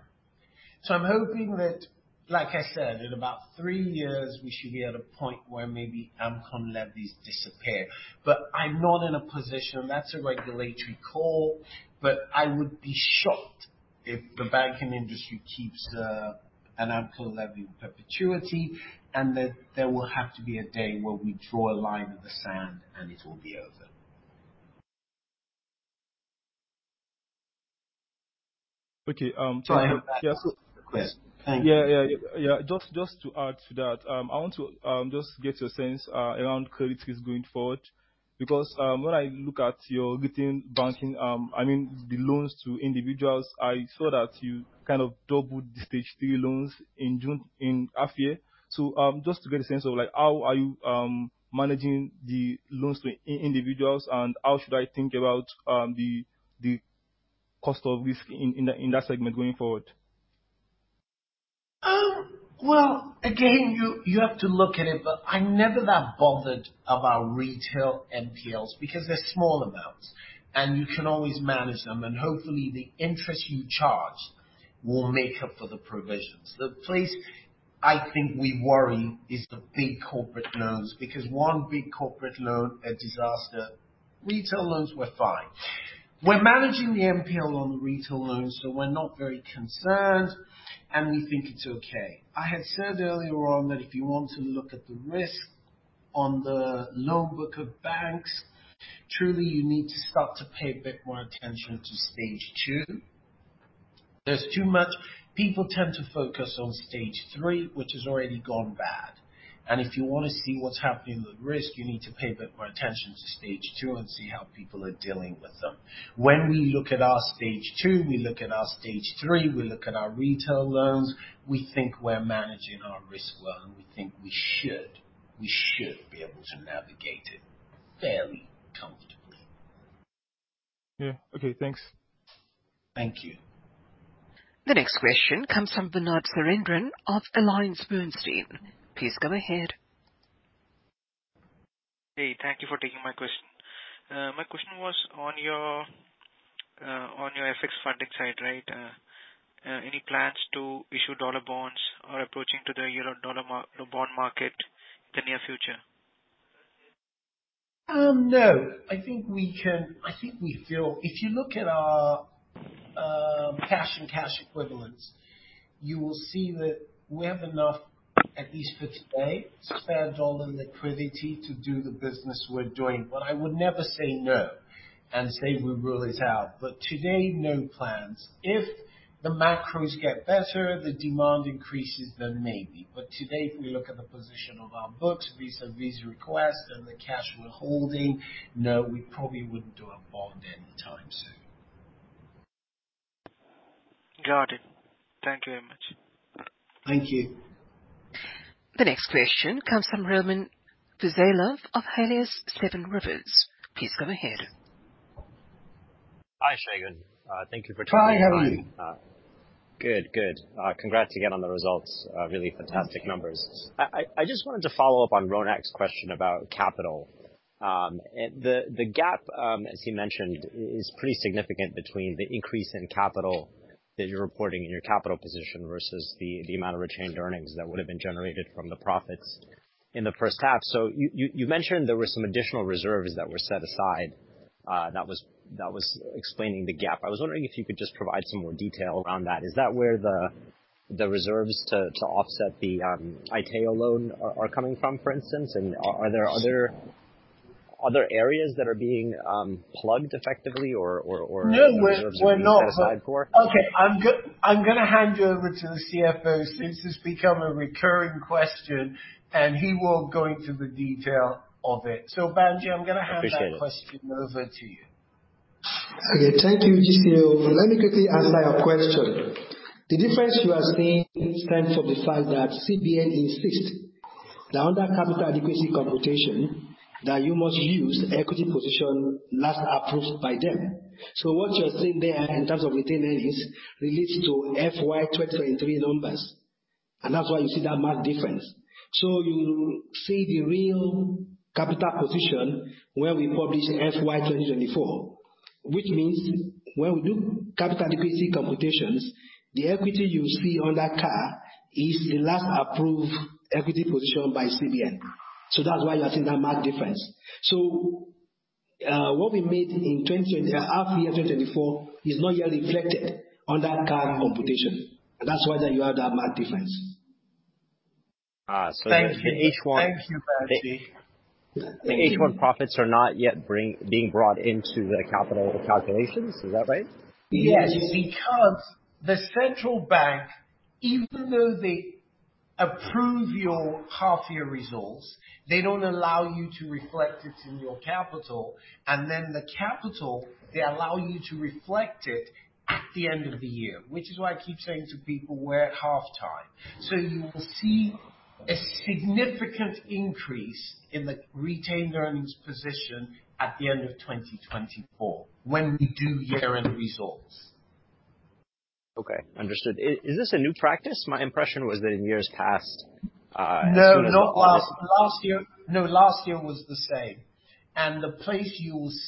So I'm hoping that, like I said, in about three years, we should be at a point where maybe AMCON levies disappear. But I'm not in a position, and that's a regulatory call, but I would be shocked if the banking industry keeps an AMCON levy in perpetuity, and that there will have to be a day where we draw a line in the sand, and it will be over. Okay, um- Go ahead. Yeah. Yes. Thank you. Yeah, yeah, yeah. Just to add to that, I want to just get your sense around credit risks going forward, because when I look at your retail banking, I mean, the loans to individuals, I saw that you kind of doubled the Stage 3 loans in June, in half year. So, just to get a sense of like, how are you managing the loans to individuals, and how should I think about the cost of risk in that segment going forward? ... Again, you have to look at it, but I'm never that bothered about retail NPLs because they're small amounts, and you can always manage them, and hopefully the interest you charge will make up for the provisions. The place I think we worry is the big corporate loans, because one big corporate loan, a disaster. Retail loans, we're fine. We're managing the NPL on the retail loans, so we're not very concerned, and we think it's okay. I had said earlier on that if you want to look at the risk on the loan book of banks, truly you need to start to pay a bit more attention to stage two. There's too much. People tend to focus on stage three, which has already gone bad, and if you want to see what's happening with risk, you need to pay a bit more attention to stage two and see how people are dealing with them. When we look at our stage two, we look at our stage three, we look at our retail loans, we think we're managing our risk well, and we think we should, we should be able to navigate it fairly comfortably. Yeah. Okay, thanks. Thank you. The next question comes from Bernard Surendran of AllianceBernstein. Please go ahead. Hey, thank you for taking my question. My question was on your, on your FX funding side, right? Any plans to issue dollar bonds or approaching to the Eurodollar market bond market in the near future? No. I think we can. I think we feel if you look at our cash and cash equivalents, you will see that we have enough, at least for today, spare dollar liquidity to do the business we're doing. But I would never say no and say we rule it out. But today, no plans. If the macros get better, the demand increases, then maybe. But today, if we look at the position of our books, vis-à-vis requests, and the cash we're holding, no, we probably wouldn't do a bond any time soon. Got it. Thank you very much. Thank you. The next question comes from Roman Fuzaylov of Helios Seven Rivers. Please go ahead. Hi, Segun. Thank you for taking my- Hi, how are you? Good, good. Congrats again on the results. Really fantastic numbers. Thank you. I just wanted to follow up on Ronak's question about capital, and the gap, as he mentioned, is pretty significant between the increase in capital that you're reporting in your capital position versus the amount of retained earnings that would have been generated from the profits in the first half. So you mentioned there were some additional reserves that were set aside, that was explaining the gap. I was wondering if you could just provide some more detail around that. Is that where the reserves to offset theAiteo loan are coming from, for instance? And are there other areas that are being plugged effectively or No, we're not- Reserves being set aside for? Okay. I'm gonna hand you over to the CFO, since it's become a recurring question, and he will go into the detail of it. So Banji, I'm gonna hand that question over to you. I appreciate it. Okay, thank you, CEO. Let me quickly answer your question. The difference you are seeing stems from the fact that CBN insists that under capital adequacy computation, that you must use equity position last approved by them. So what you're seeing there in terms of retained earnings relates to FY 2023 numbers, and that's why you see that marked difference. So you'll see the real capital position when we publish FY 2024, which means when we do capital adequacy computations, the equity you see on that CAR is the last approved equity position by CBN. So that's why you are seeing that marked difference. So, what we made in twenty twenty- half year 2024 is not yet reflected on that current computation. That's why then you have that marked difference. So the H1 Thank you. Thank you, Banji. The H1 profits are not yet being brought into the capital calculations? Is that right? Yes, because the central bank, even though they approve your half-year results, they don't allow you to reflect it in your capital, and then the capital, they allow you to reflect it at the end of the year, which is why I keep saying to people, "We're at half time." So you will see a significant increase in the retained earnings position at the end of 2024 when we do year-end results. Okay. Understood. Is this a new practice? My impression was that in years past, as soon as- No, not last. Last year was the same, and a good place you'll always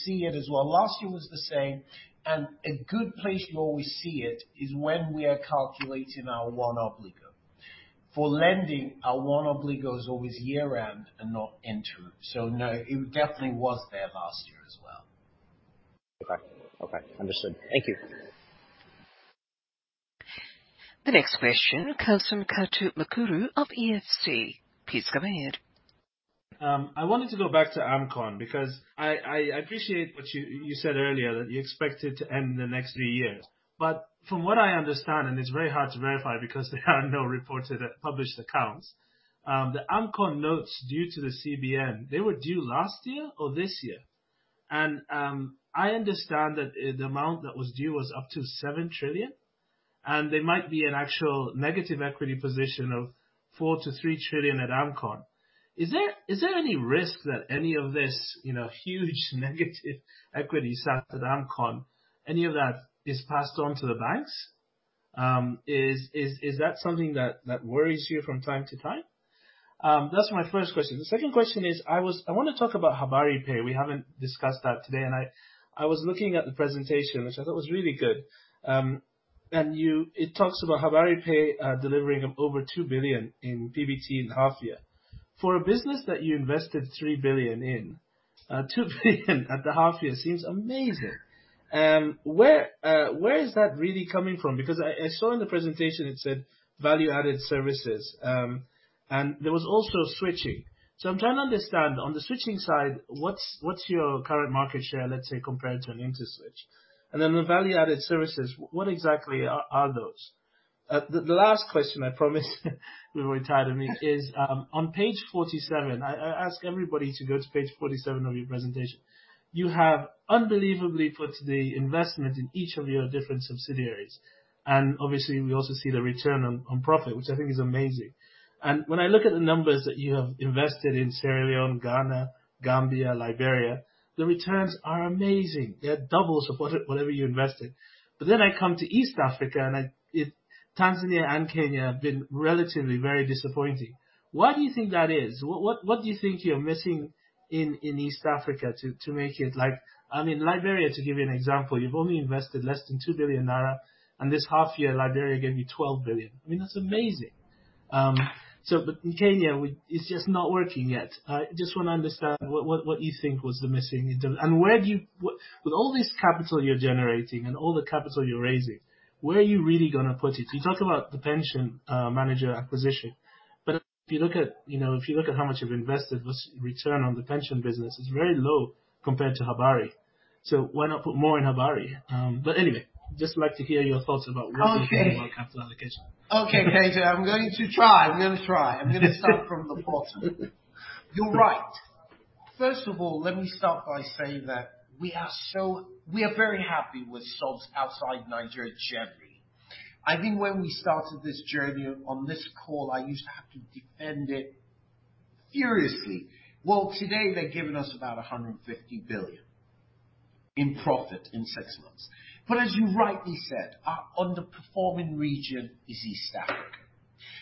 see it is when we are calculating our one obligor. For lending, our one obligor is always year-end and not interim. So no, it definitely was there last year as well. Okay. Okay. Understood. Thank you. The next question comes from Kato Mukuru of EFC. Please go ahead. I wanted to go back to AMCON, because I appreciate what you said earlier, that you expect it to end in the next three years. But from what I understand, and it's very hard to verify because there are no reported, published accounts, the AMCON notes due to the CBN, they were due last year or this year? And I understand that the amount that was due was up to 7 trillion, and there might be an actual negative equity position of four to three trillion at AMCON. Is there any risk that any of this, you know, huge negative equity sat at AMCON, any of that is passed on to the banks? Is that something that worries you from time to time? That's my first question. The second question is, I wanna talk about HabariPay. We haven't discussed that today, and I was looking at the presentation, which I thought was really good. And it talks about HabariPay delivering over 2 billion in PBT in half year. For a business that you invested 3 billion in, two billion at the half year seems amazing. Where, where is that really coming from? Because I saw in the presentation it said, "Value-added services." And there was also switching. So I'm trying to understand, on the switching side, what's your current market share, let's say, compared to Interswitch? And then on value-added services, what exactly are those? The last question, I promise, you were tired of me, is on page 47. I ask everybody to go to page 47 of your presentation. You have unbelievably put the investment in each of your different subsidiaries, and obviously we also see the return on profit, which I think is amazing. When I look at the numbers that you have invested in Sierra Leone, Ghana, Gambia, Liberia, the returns are amazing. They are doubles of whatever you invested. Then I come to East Africa, and Tanzania and Kenya have been relatively very disappointing. Why do you think that is? What do you think you're missing in East Africa to make it? Like, I mean, Liberia, to give you an example, you've only invested less than 2 billion NGN, and this half year, Liberia gave you 12 billion NGN. I mean, that's amazing. But in Kenya, it's just not working yet. I just wanna understand what you think was the missing in the... And where do you with all this capital you're generating and all the capital you're raising, where are you really gonna put it? You talk about the pension manager acquisition, but if you look at, you know, if you look at how much you've invested versus return on the pension business, it's very low compared to Habari. So why not put more in Habari? But anyway, just like to hear your thoughts about what you think- Okay. about capital allocation. Okay, Kato, I'm going to try. I'm gonna try. I'm gonna start from the bottom. You're right. First of all, let me start by saying that we are so... We are very happy with stocks outside Nigeria generally. I think when we started this journey on this call, I used to have to defend it furiously. Well, today, they're giving us about 150 billion in profit in six months. But as you rightly said, our underperforming region is East Africa.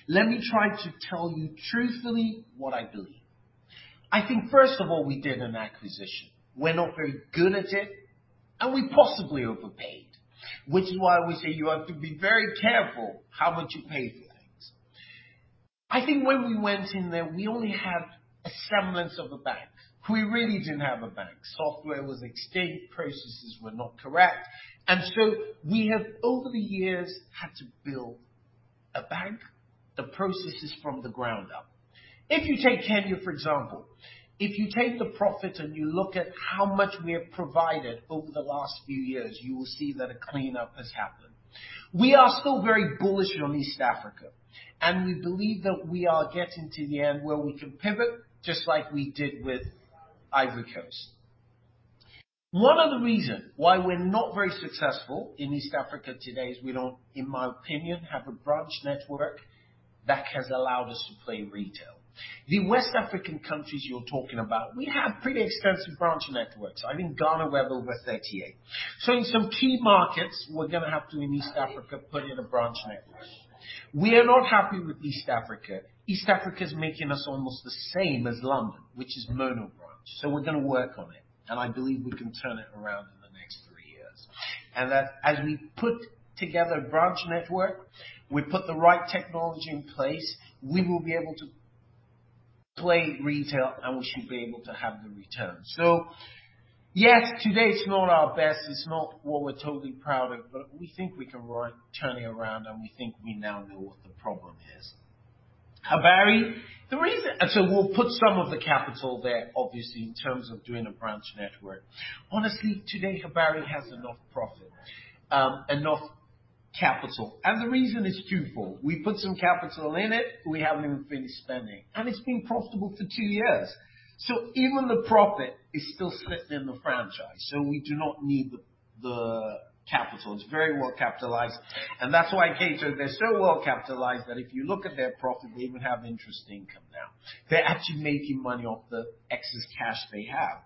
Let me try to tell you truthfully what I believe. I think, first of all, we did an acquisition. We're not very good at it, and we possibly overpaid, which is why we say, you have to be very careful how much you pay for things. I think when we went in there, we only had a semblance of a bank. We really didn't have a bank. Software was extinct, processes were not correct, and so we have, over the years, had to build a bank, the processes from the ground up. If you take Kenya, for example, if you take the profit and you look at how much we have provided over the last few years, you will see that a cleanup has happened. We are still very bullish on East Africa, and we believe that we are getting to the end where we can pivot, just like we did with Ivory Coast. One of the reasons why we're not very successful in East Africa today is we don't, in my opinion, have a branch network that has allowed us to play retail. The West African countries you're talking about, we have pretty extensive branch networks. I think Ghana, we have over 38. In some key markets, we're gonna have to, in East Africa, put in a branch network. We are not happy with East Africa. East Africa is making us almost the same as London, which is mono branch. We're gonna work on it, and I believe we can turn it around in the next three years. And that as we put together a branch network, we put the right technology in place, we will be able to play retail, and we should be able to have the returns. Yes, today is not our best, it's not what we're totally proud of, but we think we can turn it around, and we think we now know what the problem is. Habari, the reason. We'll put some of the capital there, obviously, in terms of doing a branch network. Honestly, today, Habari has enough profit, enough capital, and the reason is twofold: We put some capital in it, we haven't even finished spending, and it's been profitable for two years. So even the profit is still slipping the franchise, so we do not need the capital. It's very well capitalized, and that's why, Kato, they're so well capitalized, that if you look at their profit, they even have interest income now. They're actually making money off the excess cash they have.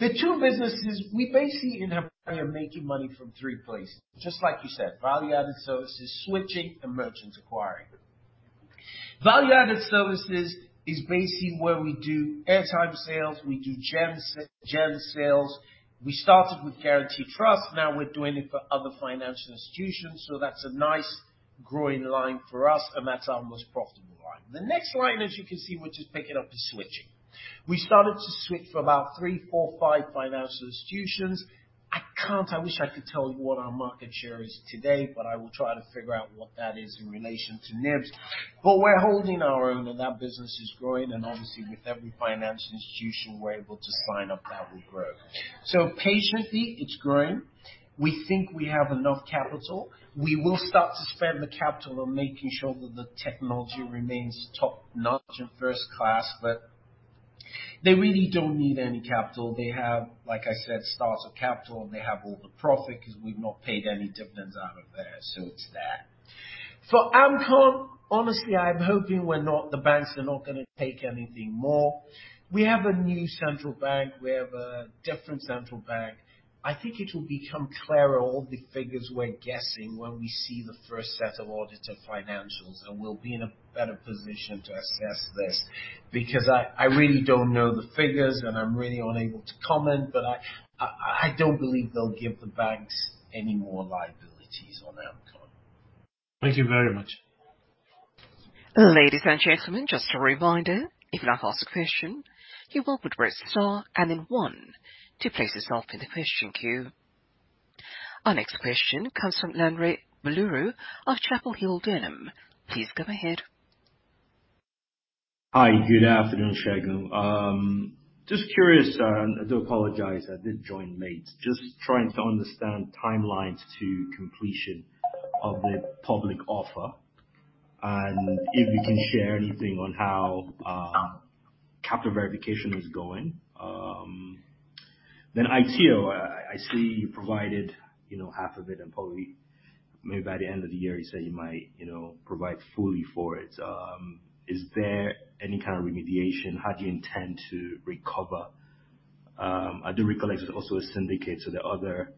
The two businesses, we basically in Habari are making money from three places, just like you said, value-added services, switching, and merchants acquiring. Value-added services is basically where we do airtime sales, we do JAMB sales. We started with Guaranty Trust, now we're doing it for other financial institutions, so that's a nice growing line for us, and that's our most profitable line. The next line, as you can see, which is picking up, is switching. We started to switch for about three, four, five financial institutions. I can't. I wish I could tell you what our market share is today, but I will try to figure out what that is in relation to NIBSS. But we're holding our own, and that business is growing, and obviously, with every financial institution we're able to sign up, that will grow. So patiently, it's growing. We think we have enough capital. We will start to spend the capital on making sure that the technology remains top-notch and first class, but they really don't need any capital. They have, like I said, starts with capital, and they have all the profit, 'cause we've not paid any dividends out of there, so it's that. For AMCON, honestly, I'm hoping we're not. The banks are not gonna take anything more. We have a new central bank. We have a different central bank. I think it will become clearer, all the figures we're guessing, when we see the first set of audited financials, and we'll be in a better position to assess this. Because I really don't know the figures, and I'm really unable to comment, but I don't believe they'll give the banks any more liabilities on AMCON. Thank you very much. Ladies and gentlemen, just a reminder, if you'd like to ask a question, you will press star and then one to place yourself in the question queue. Our next question comes from Lanre Buluro of Chapel Hill Denham. Please go ahead. Hi, good afternoon, Segun. Just curious, and I do apologize, I did join late. Just trying to understand timelines to completion of the public offer, and if you can share anything on how capital verification is going. Then Aiteo, I see you provided, you know, half of it and probably maybe by the end of the year, you say you might, you know, provide fully for it. Is there any kind of remediation? How do you intend to recover? I do recall it's also a syndicate, so there are other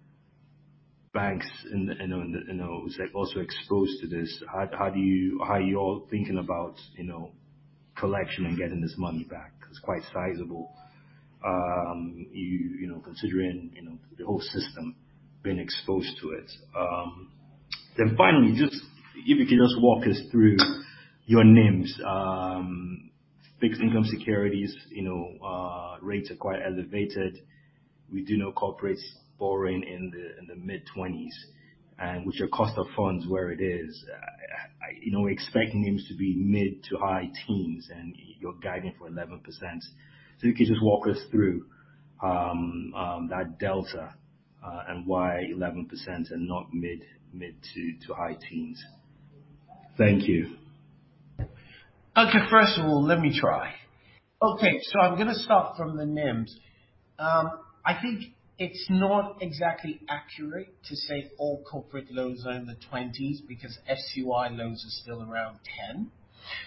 banks in the, you know, in the, also exposed to this. How are you all thinking about, you know, collection and getting this money back? It's quite sizable. You know, considering, you know, the whole system being exposed to it. Then, finally, just if you could just walk us through your NIMs. Fixed income securities, you know, rates are quite elevated. We do know corporate's borrowing in the mid-twenties, and with your cost of funds where it is, you know, we're expecting NIMs to be mid to high teens, and you're guiding for 11%. So if you could just walk us through that delta, and why 11% and not mid to high teens. Thank you. Okay, first of all, let me try. Okay, so I'm gonna start from the NIMs. I think it's not exactly accurate to say all corporate loans are in the twenties, because FCY loans are still around 10.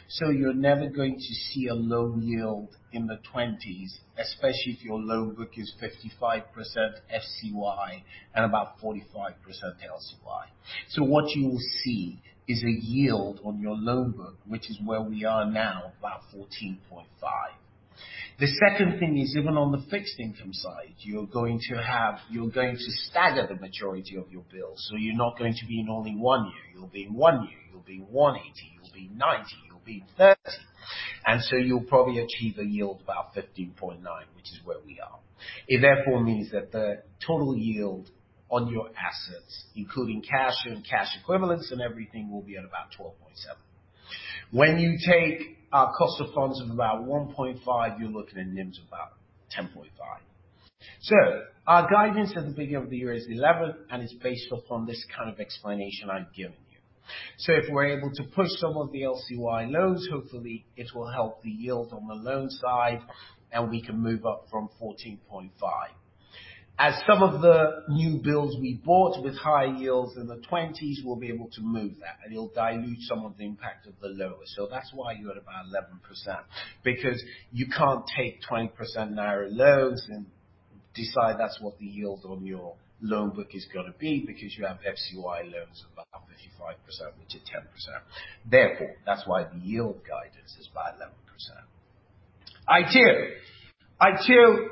So you're never going to see a loan yield in the twenties, especially if your loan book is 55% FCY and about 45% LCY. So what you will see is a yield on your loan book, which is where we are now, about 14.5. The second thing is, even on the fixed income side, you're going to stagger the majority of your bills. So you're not going to be in only one year. You'll be in one year, you'll be in 180, you'll be in 90, you'll be in 30, and so you'll probably achieve a yield of about 15.9%, which is where we are. It therefore means that the total yield on your assets, including cash and cash equivalents and everything, will be at about 12.7%. When you take our cost of funds of about 1.5%, you're looking at NIMs of about 10.5%. So our guidance at the beginning of the year is 11%, and it's based off on this kind of explanation I've given you. So if we're able to push some of the LCY loans, hopefully it will help the yield on the loan side, and we can move up from 14.5%. As some of the new builds we bought with high yields in the twenties, we'll be able to move that, and it'll dilute some of the impact of the lower. So that's why you're at about 11%, because you can't take 20% Naira loans and decide that's what the yield on your loan book is gonna be, because you have FCY loans above 55%, which are 10%. Therefore, that's why the yield guidance is about 11%. Aiteo. Aiteo,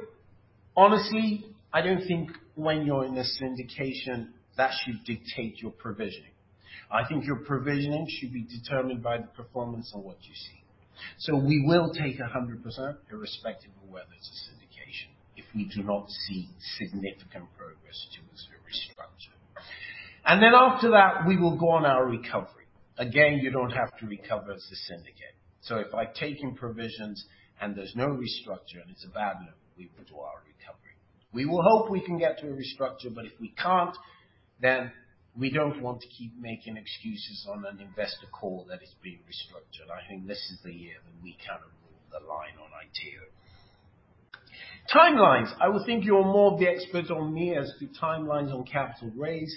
honestly, I don't think when you're in a syndication, that should dictate your provisioning. I think your provisioning should be determined by the performance on what you see. So we will take a 100% irrespective of whether it's a syndication, if we do not see significant progress towards the restructure. And then after that, we will go on our recovery. Again, you don't have to recover as the syndicate. So if by taking provisions and there's no restructure and it's a bad loan, we will do our recovery. We will hope we can get to a restructure, but if we can't, then we don't want to keep making excuses on an investor call that is being restructured. I think this is the year that we kind of draw the line on Aiteo. Timelines. I would think you're more of the expert than me as to timelines on capital raise.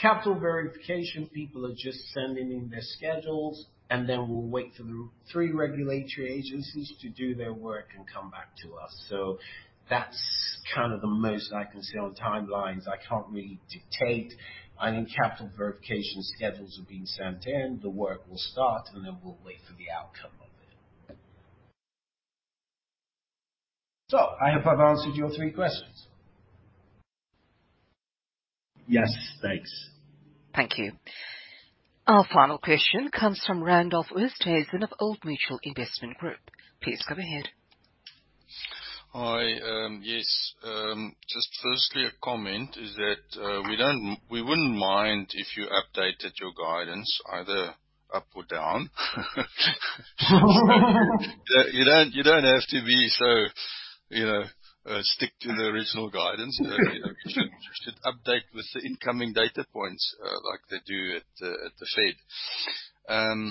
Capital verification people are just sending in their schedules, and then we'll wait for the three regulatory agencies to do their work and come back to us. So that's kind of the most I can say on timelines. I can't really dictate. I think capital verification schedules are being sent in, the work will start, and then we'll wait for the outcome of it, so I hope I've answered your three questions. Yes, thanks. Thank you. Our final question comes from Randolph Oosthuizen of Old Mutual Investment Group. Please go ahead. Hi, yes. Just firstly, a comment is that, we wouldn't mind if you updated your guidance either up or down. You don't, you don't have to be so, you know, stick to the original guidance. You should, you should update with the incoming data points, like they do at, at the Fed.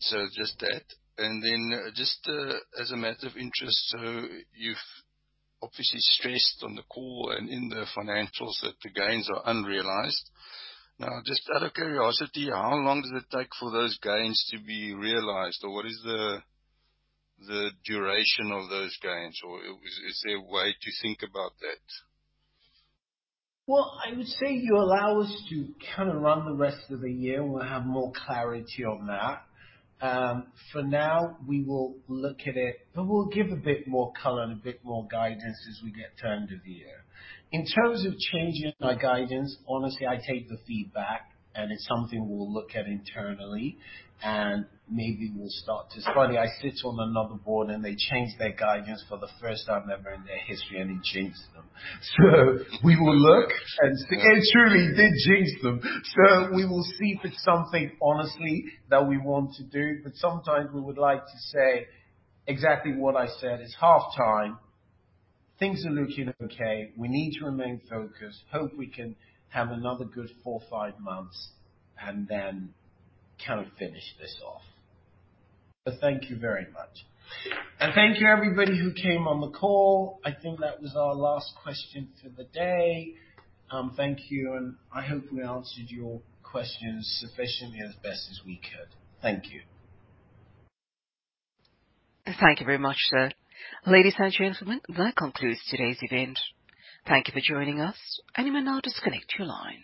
So just that. And then, just, as a matter of interest, so you've obviously stressed on the call and in the financials that the gains are unrealized. Now, just out of curiosity, how long does it take for those gains to be realized? Or what is the duration of those gains, or is there a way to think about that? I would say you allow us to kind of run the rest of the year. We'll have more clarity on that. For now, we will look at it, but we'll give a bit more color and a bit more guidance as we get to end of the year. In terms of changing our guidance, honestly, I take the feedback, and it's something we'll look at internally, and maybe we'll start to... It's funny, I sit on another board, and they changed their guidance for the first time ever in their history, and it jinxed them. So we will look, and it truly did jinx them. So we will see if it's something honestly that we want to do, but sometimes we would like to say exactly what I said. It's halftime, things are looking okay. We need to remain focused, hope we can have another good four, five months, and then kind of finish this off. But thank you very much. And thank you, everybody who came on the call. I think that was our last question for the day. Thank you, and I hope we answered your questions sufficiently as best as we could. Thank you. Thank you very much, sir. Ladies and gentlemen, that concludes today's event. Thank you for joining us, and you may now disconnect your lines.